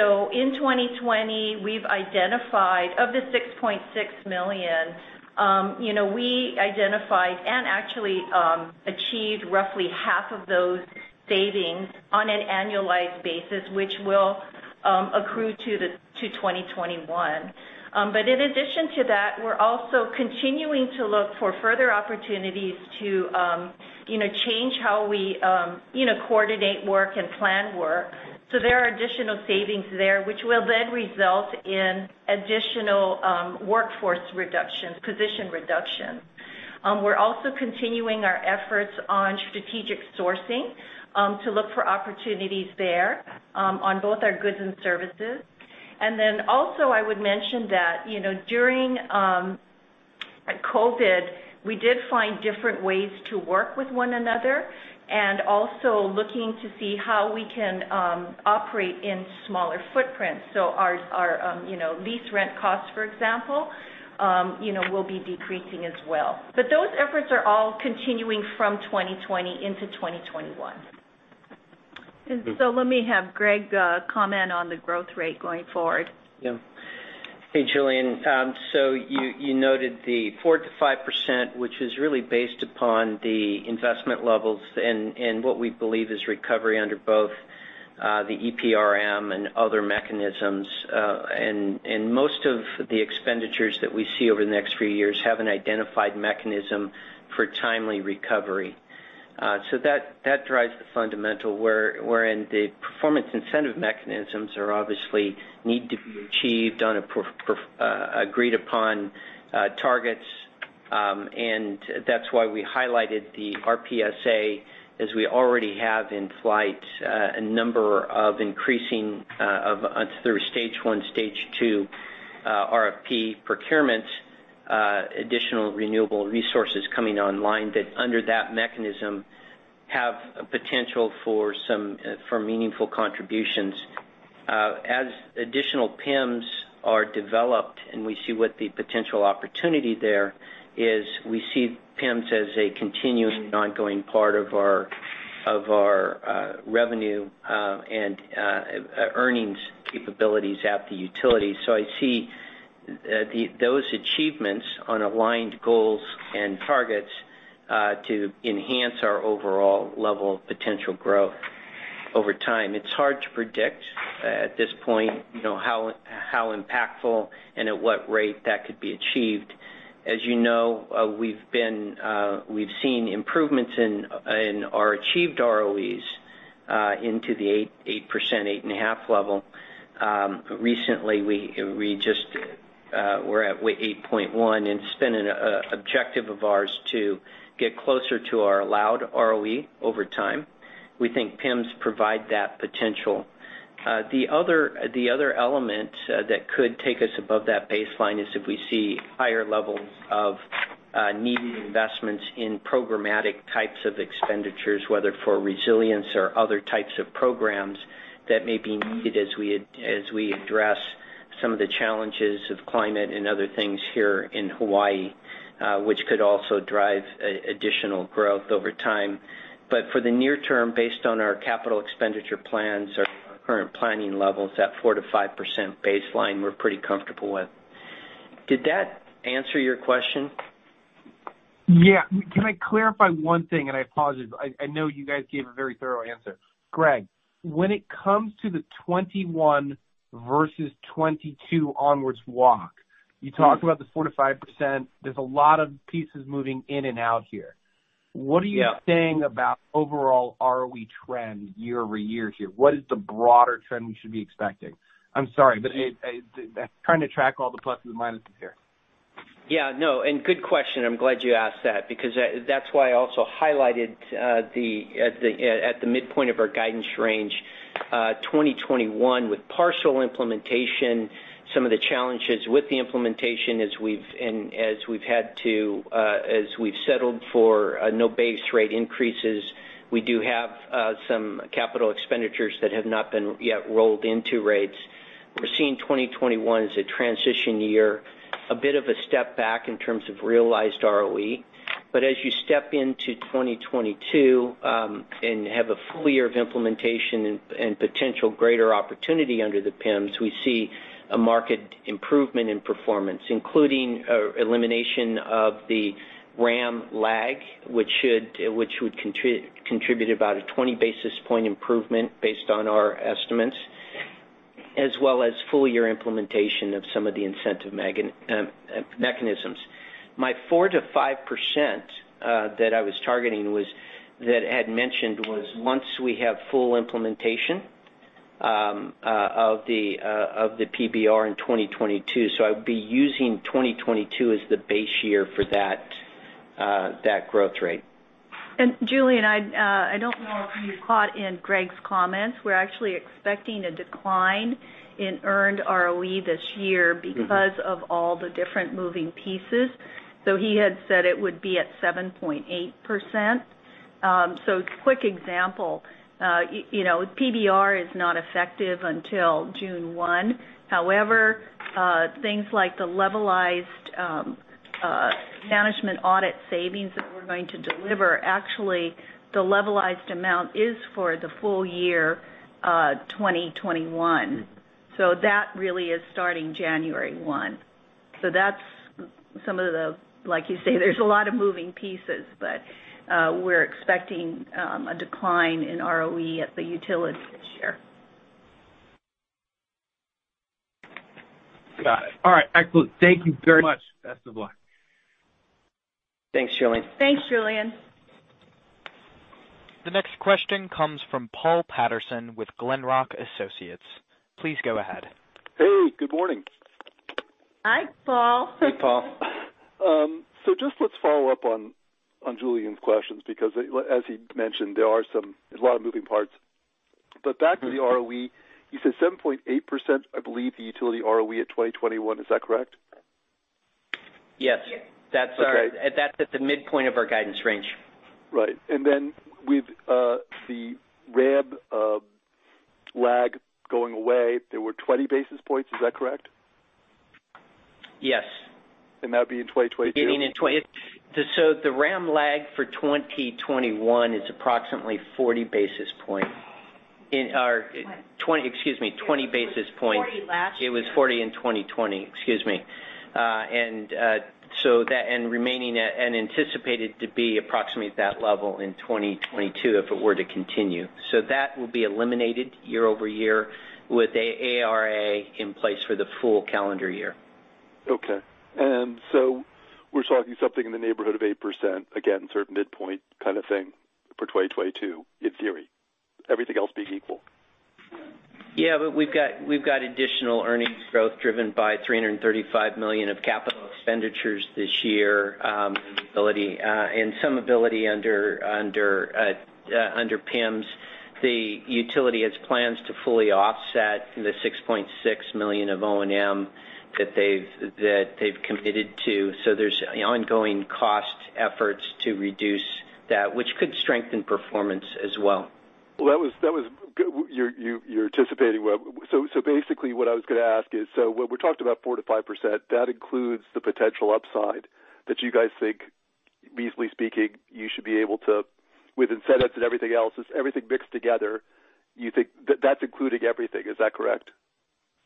F: 2020, of the $6.6 million, we identified and actually achieved roughly half of those savings on an annualized basis, which will accrue to 2021. In addition to that, we're also continuing to look for further opportunities to change how we coordinate work and plan work. There are additional savings there, which will then result in additional workforce reduction, position reduction. We're also continuing our efforts on strategic sourcing to look for opportunities there on both our goods and services. Also I would mention that during COVID, we did find different ways to work with one another and also looking to see how we can operate in smaller footprints. Our lease rent costs, for example, will be decreasing as well. Those efforts are all continuing from 2020 into 2021.
C: Let me have Greg comment on the growth rate going forward.
D: Hey, Julien. You noted the 4%-5%, which is really based upon the investment levels and what we believe is recovery under both the EPRM and other mechanisms. Most of the expenditures that we see over the next few years have an identified mechanism for timely recovery. That drives the fundamental wherein the Performance Incentive Mechanisms are obviously need to be achieved on agreed upon targets. That's why we highlighted the RPS-A as we already have in flight a number of increasing through stage one, stage two RFP procurement additional renewable resources coming online that under that mechanism have a potential for meaningful contributions. As additional PIMs are developed and we see what the potential opportunity there is, we see PIMs as a continuous and ongoing part of our revenue and earnings capabilities at the utility. I see those achievements on aligned goals and targets to enhance our overall level of potential growth over time. It's hard to predict at this point how impactful and at what rate that could be achieved. As you know, we've seen improvements in our achieved ROEs into the 8%, 8.5% level. Recently, we're at 8.1%, and it's been an objective of ours to get closer to our allowed ROE over time. We think PIMS provide that potential. The other element that could take us above that baseline is if we see higher levels of needing investments in programmatic types of expenditures, whether for resilience or other types of programs that may be needed as we address some of the challenges of climate and other things here in Hawaii, which could also drive additional growth over time. For the near term, based on our capital expenditure plans or current planning levels, that 4%-5% baseline we're pretty comfortable with. Did that answer your question?
E: Yeah. Can I clarify one thing, and I apologize. I know you guys gave a very thorough answer. Greg, when it comes to the 2021 versus 2022 onwards walk, you talked about the 4%-5%. There is a lot of pieces moving in and out here. Yeah. What are you saying about overall ROE trend year-over-year here? What is the broader trend we should be expecting? I'm sorry, but trying to track all the pluses and minuses here.
D: Yeah, no. Good question. I'm glad you asked that because that's why I also highlighted at the midpoint of our guidance range, 2021, with partial implementation, some of the challenges with the implementation as we've settled for no base rate increases. We do have some capital expenditures that have not been yet rolled into rates. We're seeing 2021 as a transition year, a bit of a step back in terms of realized ROE. As you step into 2022, and have a full year of implementation and potential greater opportunity under the PIMs, we see a marked improvement in performance, including elimination of the RAM lag, which would contribute about a 20-basis-point improvement based on our estimates. As well as full year implementation of some of the incentive mechanisms. My 4%-5% that I had mentioned was once we have full implementation of the PBR in 2022. I would be using 2022 as the base year for that growth rate.
C: Julien, I don't know if you caught in Greg's comments. We're actually expecting a decline in earned ROE this year because of all the different moving pieces. He had said it would be at 7.8%. Quick example, PBR is not effective until June 1. However, things like the levelized management audit savings that we're going to deliver, actually, the levelized amount is for the full year 2021. That really is starting January 1. That's some of the, like you say, there's a lot of moving pieces. We're expecting a decline in ROE at the utility this year.
E: Got it. All right, excellent. Thank you very much. Best of luck.
D: Thanks, Julien.
C: Thanks, Julien.
A: The next question comes from Paul Patterson with Glenrock Associates. Please go ahead.
G: Hey, good morning.
C: Hi, Paul.
D: Hey, Paul.
G: Just let's follow up on Julien's questions because as he mentioned, there are a lot of moving parts. Back to the ROE, you said 7.8%, I believe, the utility ROE at 2021. Is that correct?
D: Yes.
C: Yes.
D: That's at the midpoint of our guidance range.
G: Right. With the RAM lag going away, there were 20 basis points. Is that correct?
D: Yes.
G: That'd be in 2022?
D: The RAM lag for 2021 is approximately 40 basis points.
C: 20.
D: Excuse me, 20 basis points.
C: It was 40 last year.
D: It was 40 in 2020. Excuse me. Anticipated to be approximately at that level in 2022 if it were to continue. That will be eliminated year-over-year with ARA in place for the full calendar year.
G: Okay. We're talking something in the neighborhood of 8%, again, sort of midpoint kind of thing for 2022 in theory, everything else being equal?
D: We've got additional earnings growth driven by $335 million of capital expenditures this year. Some ability under PIMs. The utility has plans to fully offset the $6.6 million of O&M that they've committed to, there's ongoing cost efforts to reduce that, which could strengthen performance as well.
G: You're anticipating well. Basically what I was going to ask is, when we talked about 4%-5%, that includes the potential upside that you guys think, reasonably speaking, you should be able to with incentives and everything else, just everything mixed together, that's including everything. Is that correct,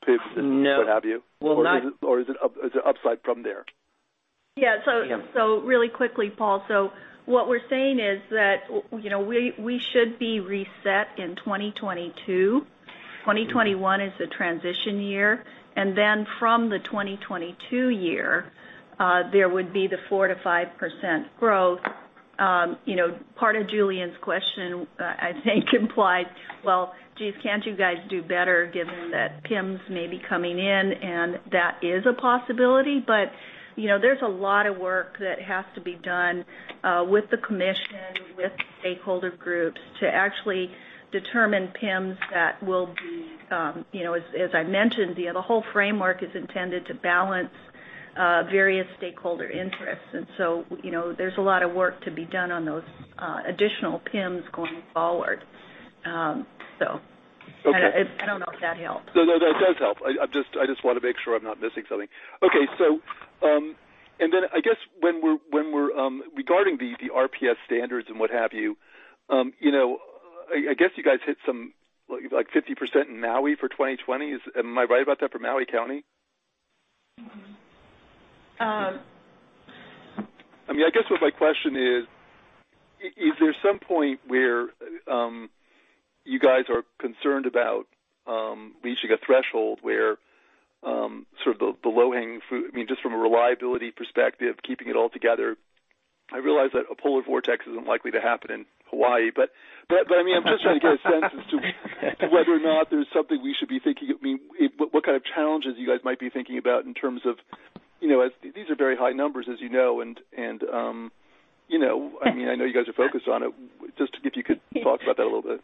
G: PIMs and what have you?
D: No. Well,
G: Is it upside from there?
C: Really quickly, Paul, what we're saying is that we should be reset in 2022. 2021 is the transition year. Then from the 2022 year, there would be the 4%-5% growth. Part of Julien's question, I think, implied, well, geez, can't you guys do better given that PIMs may be coming in and that is a possibility. There's a lot of work that has to be done with the Commission, with stakeholder groups to actually determine PIMs. As I mentioned, the whole framework is intended to balance various stakeholder interests. There's a lot of work to be done on those additional PIMs going forward.
G: Okay.
C: I don't know if that helped.
G: No, that does help. I just want to make sure I'm not missing something. Okay. I guess regarding the RPS standards and what have you, I guess you guys hit some like 50% in Maui for 2020. Am I right about that for Maui County? I guess what my question is there some point where you guys are concerned about reaching a threshold where sort of the low-hanging fruit, just from a reliability perspective, keeping it all together? I realize that a polar vortex is unlikely to happen in Hawaii, but I'm just trying to get a sense as to whether or not there's something we should be thinking of. What kind of challenges you guys might be thinking about in terms of, as these are very high numbers, as you know? I know you guys are focused on it. Just if you could talk about that a little bit.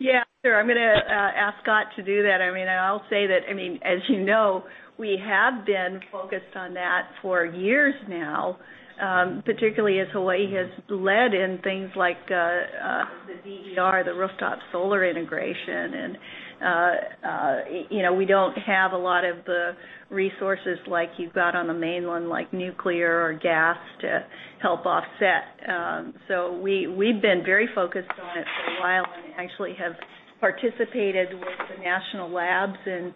C: Yeah, sure. I'm going to ask Scott to do that. I'll say that, as you know, we have been focused on that for years now. Particularly as Hawaii has led in things like the DER, the rooftop solar integration, and we don't have a lot of the resources like you've got on the mainland, like nuclear or gas to help offset. We've been very focused on it for a while and actually have participated with the national labs in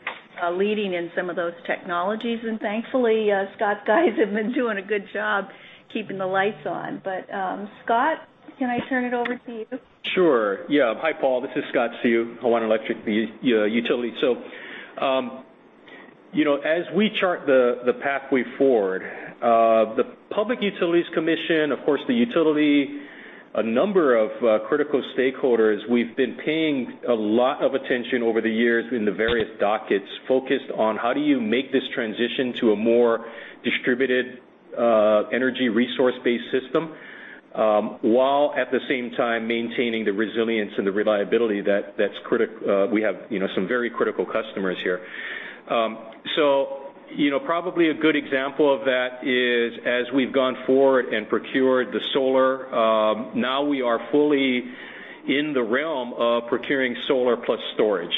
C: leading in some of those technologies. Thankfully, Scott's guys have been doing a good job keeping the lights on. Scott, can I turn it over to you?
H: Sure. Yeah. Hi, Paul. This is Scott Seu, Hawaiian Electric. As we chart the pathway forward, the Public Utilities Commission, of course, the utility, a number of critical stakeholders, we've been paying a lot of attention over the years in the various dockets focused on how do you make this transition to a more distributed energy resource-based system while at the same time maintaining the resilience and the reliability that's critical. We have some very critical customers here. Probably a good example of that is as we've gone forward and procured the solar, now we are fully in the realm of procuring solar plus storage.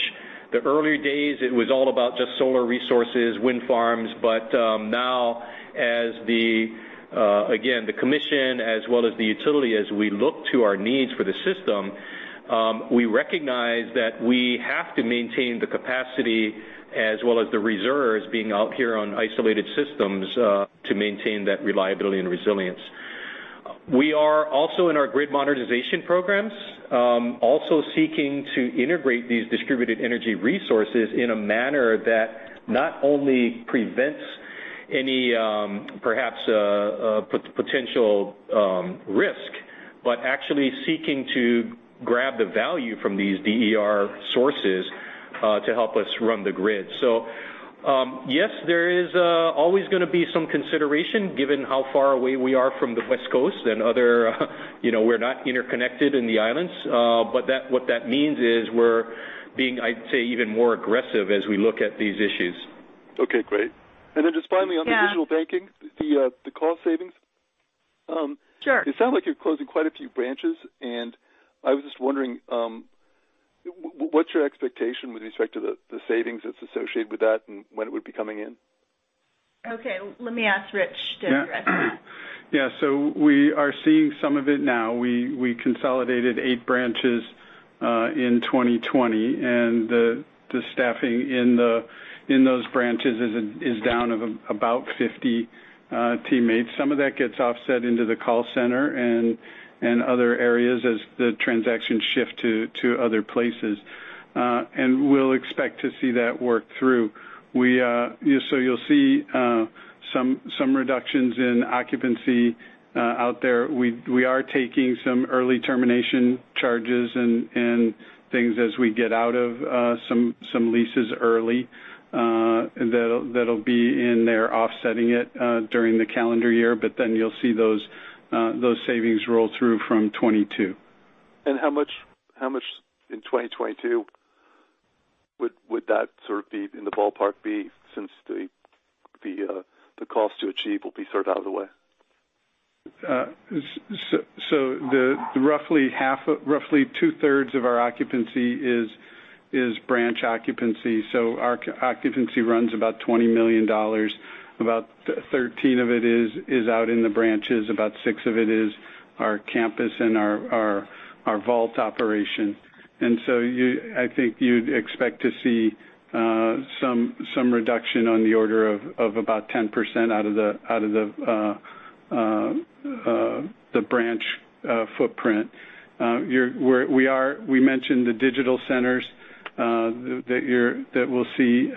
H: The earlier days, it was all about just solar resources, wind farms. Now as the commission as well as the utility, as we look to our needs for the system, we recognize that we have to maintain the capacity as well as the reserves being out here on isolated systems, to maintain that reliability and resilience. We are also in our grid modernization programs, also seeking to integrate these distributed energy resources in a manner that not only prevents any potential risk, but actually seeking to grab the value from these DER sources to help us run the grid. Yes, there is always going to be some consideration given how far away we are from the West Coast and we're not interconnected in the islands. What that means is we're being, I'd say, even more aggressive as we look at these issues.
G: Okay, great. Just finally on the digital banking, the cost savings?
C: Sure.
G: It sounds like you're closing quite a few branches, and I was just wondering, what's your expectation with respect to the savings that's associated with that and when it would be coming in?
C: Okay. Let me ask Rich to address that.
I: Yeah. We are seeing some of it now. We consolidated eight branches in 2020, and the staffing in those branches is down of about 50 teammates. Some of that gets offset into the call center and other areas as the transactions shift to other places. We'll expect to see that work through. You'll see some reductions in occupancy out there. We are taking some early termination charges and things as we get out of some leases early. That'll be in there offsetting it during the calendar year. You'll see those savings roll through from 2022.
G: How much in 2022 would that sort of be in the ballpark since the cost to achieve will be sort of out of the way?
I: The roughly 2/3 of our occupancy is branch occupancy. Our occupancy runs about $20 million. About $13 million of it is out in the branches. About $6 million of it is our campus and our vault operation. I think you'd expect to see some reduction on the order of about 10% out of the branch footprint. We mentioned the digital centers that we'll see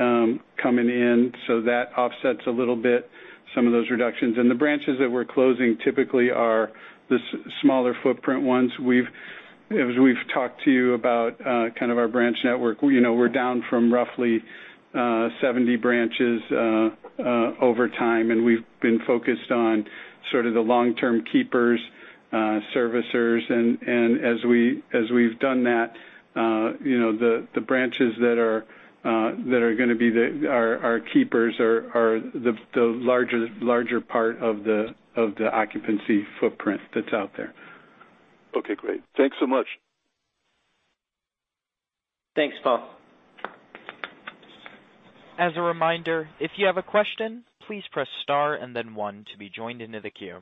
I: coming in. That offsets a little bit some of those reductions. The branches that we're closing typically are the smaller footprint ones. As we've talked to you about kind of our branch network, we're down from roughly 70 branches over time, and we've been focused on sort of the long-term keepers, servicers. As we've done that, the branches that are going to be our keepers are the larger part of the occupancy footprint that's out there.
G: Okay, great. Thanks so much.
D: Thanks, Paul.
A: As a reminder, if you have a question, please press star and then one to be joined into the queue.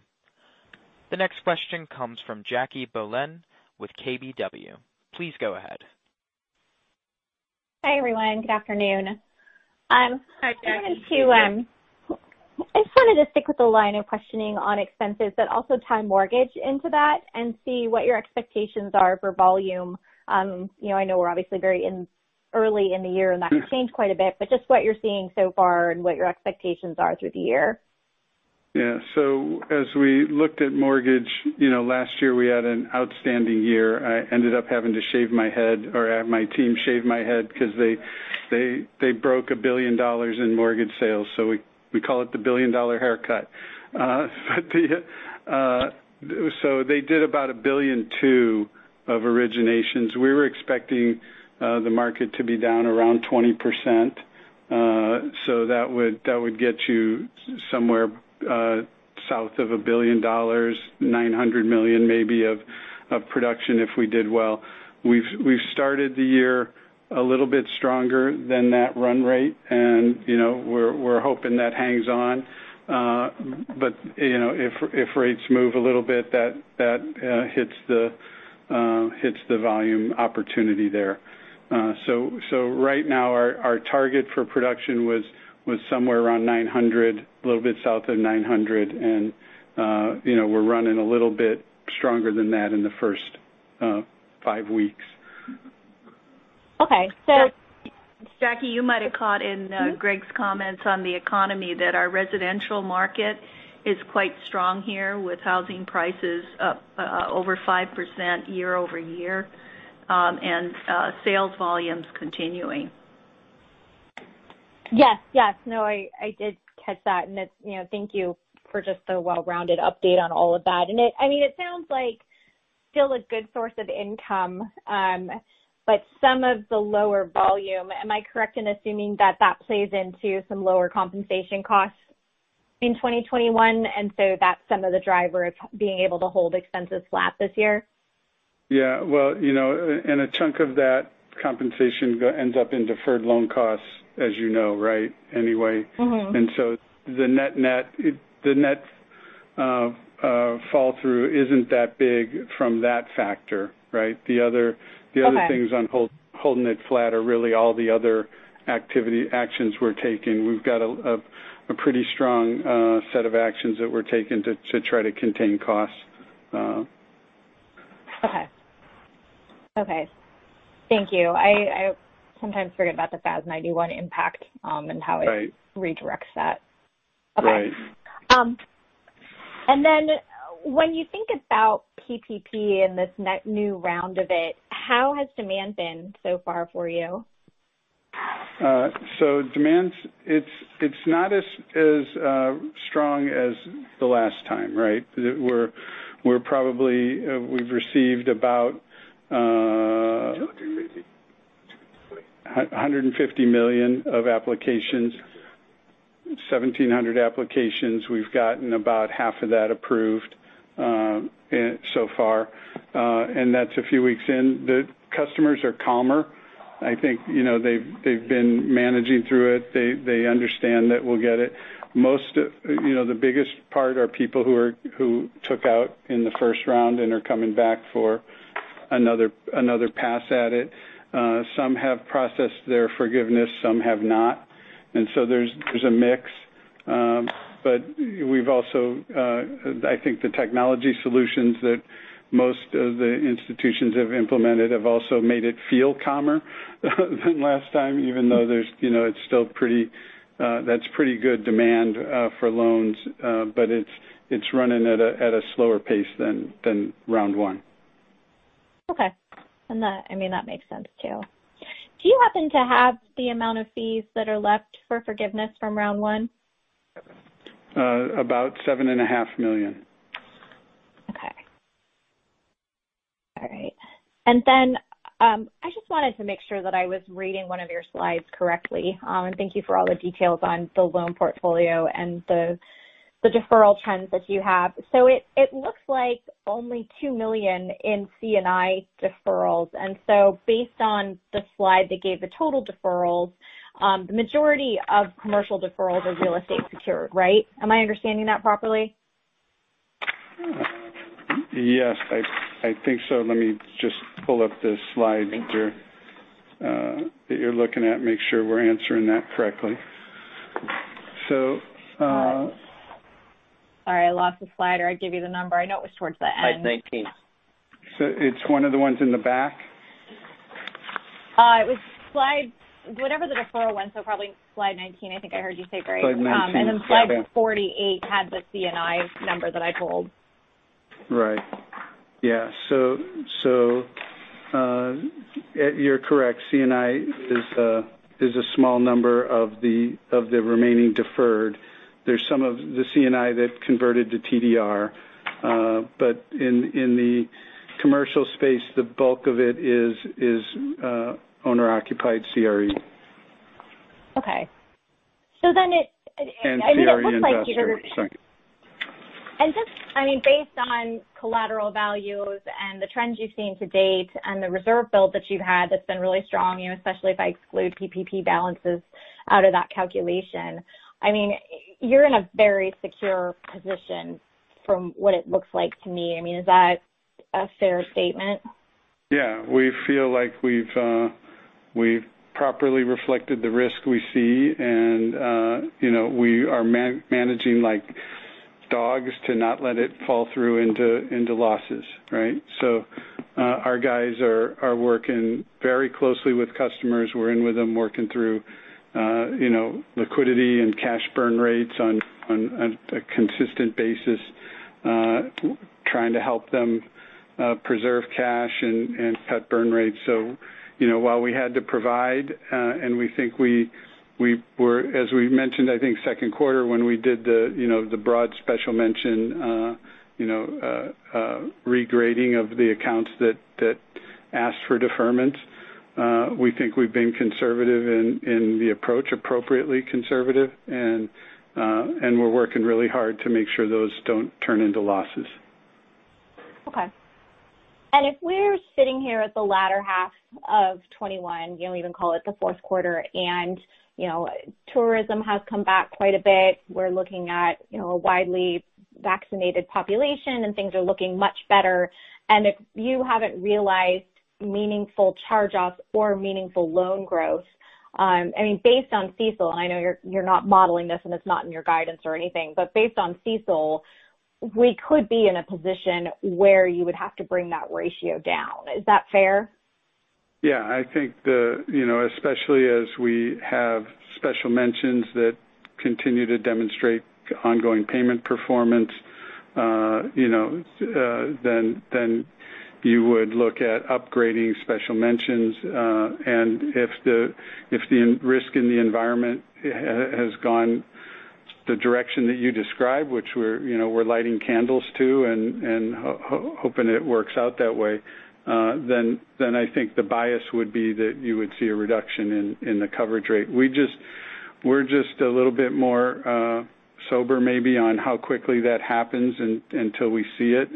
A: The next question comes from Jackie Bohlen with KBW. Please go ahead.
J: Hi, everyone. Good afternoon.
C: Hi, Jackie.
J: I just wanted to stick with the line of questioning on expenses but also tie mortgage into that and see what your expectations are for volume. I know we're obviously very early in the year, and that could change quite a bit. Just what you're seeing so far and what your expectations are through the year.
I: As we looked at mortgage, last year, we had an outstanding year. I ended up having to shave my head or have my team shave my head because they broke $1 billion in mortgage sales. We call it the billion-dollar haircut. They did about $1.2 billion of originations. We were expecting the market to be down around 20%. That would get you somewhere south of $1 billion, $900 million maybe of production if we did well. We've started the year a little bit stronger than that run rate, and we're hoping that hangs on. If rates move a little bit, that hits the volume opportunity there. Right now, our target for production was somewhere around $900 million, a little bit south of $900 million, and we're running a little bit stronger than that in the first five weeks.
J: Okay.
C: Jackie, you might have caught in Greg's comments on the economy that our residential market is quite strong here, with housing prices up over 5% year-over-year, and sales volumes continuing.
J: Yes. No, I did catch that, and thank you for just the well-rounded update on all of that. It sounds like still a good source of income. Some of the lower volume, am I correct in assuming that that plays into some lower compensation costs in 2021, and so that's some of the driver of being able to hold expenses flat this year?
I: Yeah. Well, a chunk of that compensation ends up in deferred loan costs, as you know, right, anyway. The net fall through isn't that big from that factor, right?
J: Okay.
I: The other things on holding it flat are really all the other actions we're taking. We've got a pretty strong set of actions that we're taking to try to contain costs.
J: Okay. Thank you. I sometimes forget about the FAS 91 impact-
I: Right
J: How it redirects that.
I: Right.
J: When you think about PPP and this new round of it, how has demand been so far for you?
I: Demand, it's not as strong as the last time, right?
D: 250
I: 150 million of applications. 1,700 applications. We've gotten about half of that approved so far. That's a few weeks in. The customers are calmer. I think they've been managing through it. They understand that we'll get it. The biggest part are people who took out in the first round and are coming back for another pass at it. Some have processed their forgiveness, some have not. There's a mix. I think the technology solutions that most of the institutions have implemented have also made it feel calmer than last time, even though that's pretty good demand for loans. It's running at a slower pace than round one.
J: Okay. That makes sense, too. Do you happen to have the amount of fees that are left for forgiveness from round one?
I: About $7.5 million.
J: Okay. All right. I just wanted to make sure that I was reading one of your slides correctly. Thank you for all the details on the loan portfolio and the deferral trends that you have. It looks like only $2 million in C&I deferrals. Based on the slide that gave the total deferrals, the majority of commercial deferrals are real estate secured, right? Am I understanding that properly?
I: Yes. I think so. Let me just pull up the slide.
J: Thank you.
I: that you're looking at and make sure we're answering that correctly.
J: Sorry, I lost the slide, or I'd give you the number. I know it was towards the end.
D: Slide 19.
I: It's one of the ones in the back?
J: It was whatever the deferral one, so probably slide 19, I think I heard you say, Greg.
I: Slide 19. Got it.
J: Slide 48 had the C&I number that I pulled.
I: Right. Yeah. You're correct. C&I is a small number of the remaining deferred. There's some of the C&I that converted to TDR. In the commercial space, the bulk of it is owner-occupied CRE.
J: Okay.
I: CRE investor. Sorry.
J: Based on collateral values and the trends you've seen to date and the reserve build that you've had that's been really strong, especially if I exclude PPP balances out of that calculation. You're in a very secure position from what it looks like to me. Is that a fair statement?
I: We feel like we've properly reflected the risk we see, and we are managing like dogs to not let it fall through into losses. Right. Our guys are working very closely with customers. We're in with them working through liquidity and cash burn rates on a consistent basis, trying to help them preserve cash and cut burn rates. While we had to provide, and as we mentioned, I think second quarter when we did the broad special mention regrading of the accounts that asked for deferment. We think we've been conservative in the approach, appropriately conservative, and we're working really hard to make sure those don't turn into losses.
J: Okay. If we're sitting here at the latter half of 2021, even call it the fourth quarter, and tourism has come back quite a bit. We're looking at a widely vaccinated population, and things are looking much better. If you haven't realized meaningful charge-offs or meaningful loan growth, based on CECL, and I know you're not modeling this and it's not in your guidance or anything, but based on CECL, we could be in a position where you would have to bring that ratio down. Is that fair?
I: Yeah, I think especially as we have special mentions that continue to demonstrate ongoing payment performance, then you would look at upgrading special mentions. If the risk in the environment has gone the direction that you describe, which we're lighting candles to and hoping it works out that way, then I think the bias would be that you would see a reduction in the coverage rate. We're just a little bit more sober, maybe, on how quickly that happens until we see it.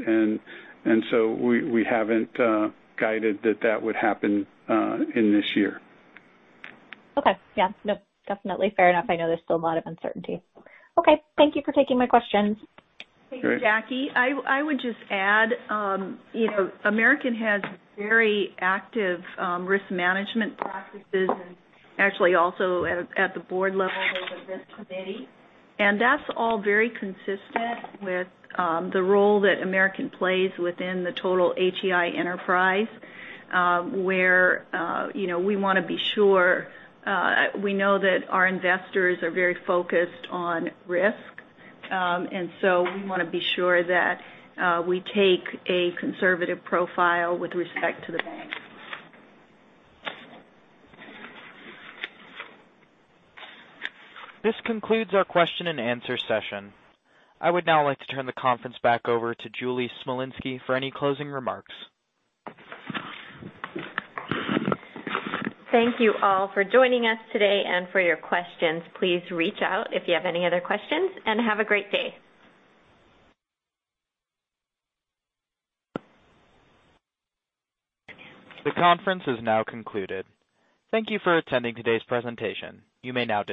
I: We haven't guided that that would happen in this year.
J: Okay. Yeah. Nope. Definitely. Fair enough. I know there's still a lot of uncertainty. Okay. Thank you for taking my questions.
I: Sure.
C: Jackie, I would just add American has very active risk management practices and actually also at the board level, they have a risk committee. That's all very consistent with the role that American plays within the total HEI enterprise, where we want to be sure. We know that our investors are very focused on risk. We want to be sure that we take a conservative profile with respect to the bank.
A: This concludes our question and answer session. I would now like to turn the conference back over to Julie Smolinski for any closing remarks.
B: Thank you all for joining us today and for your questions. Please reach out if you have any other questions, and have a great day.
A: The conference is now concluded. Thank you for attending today's presentation. You may now disconnect.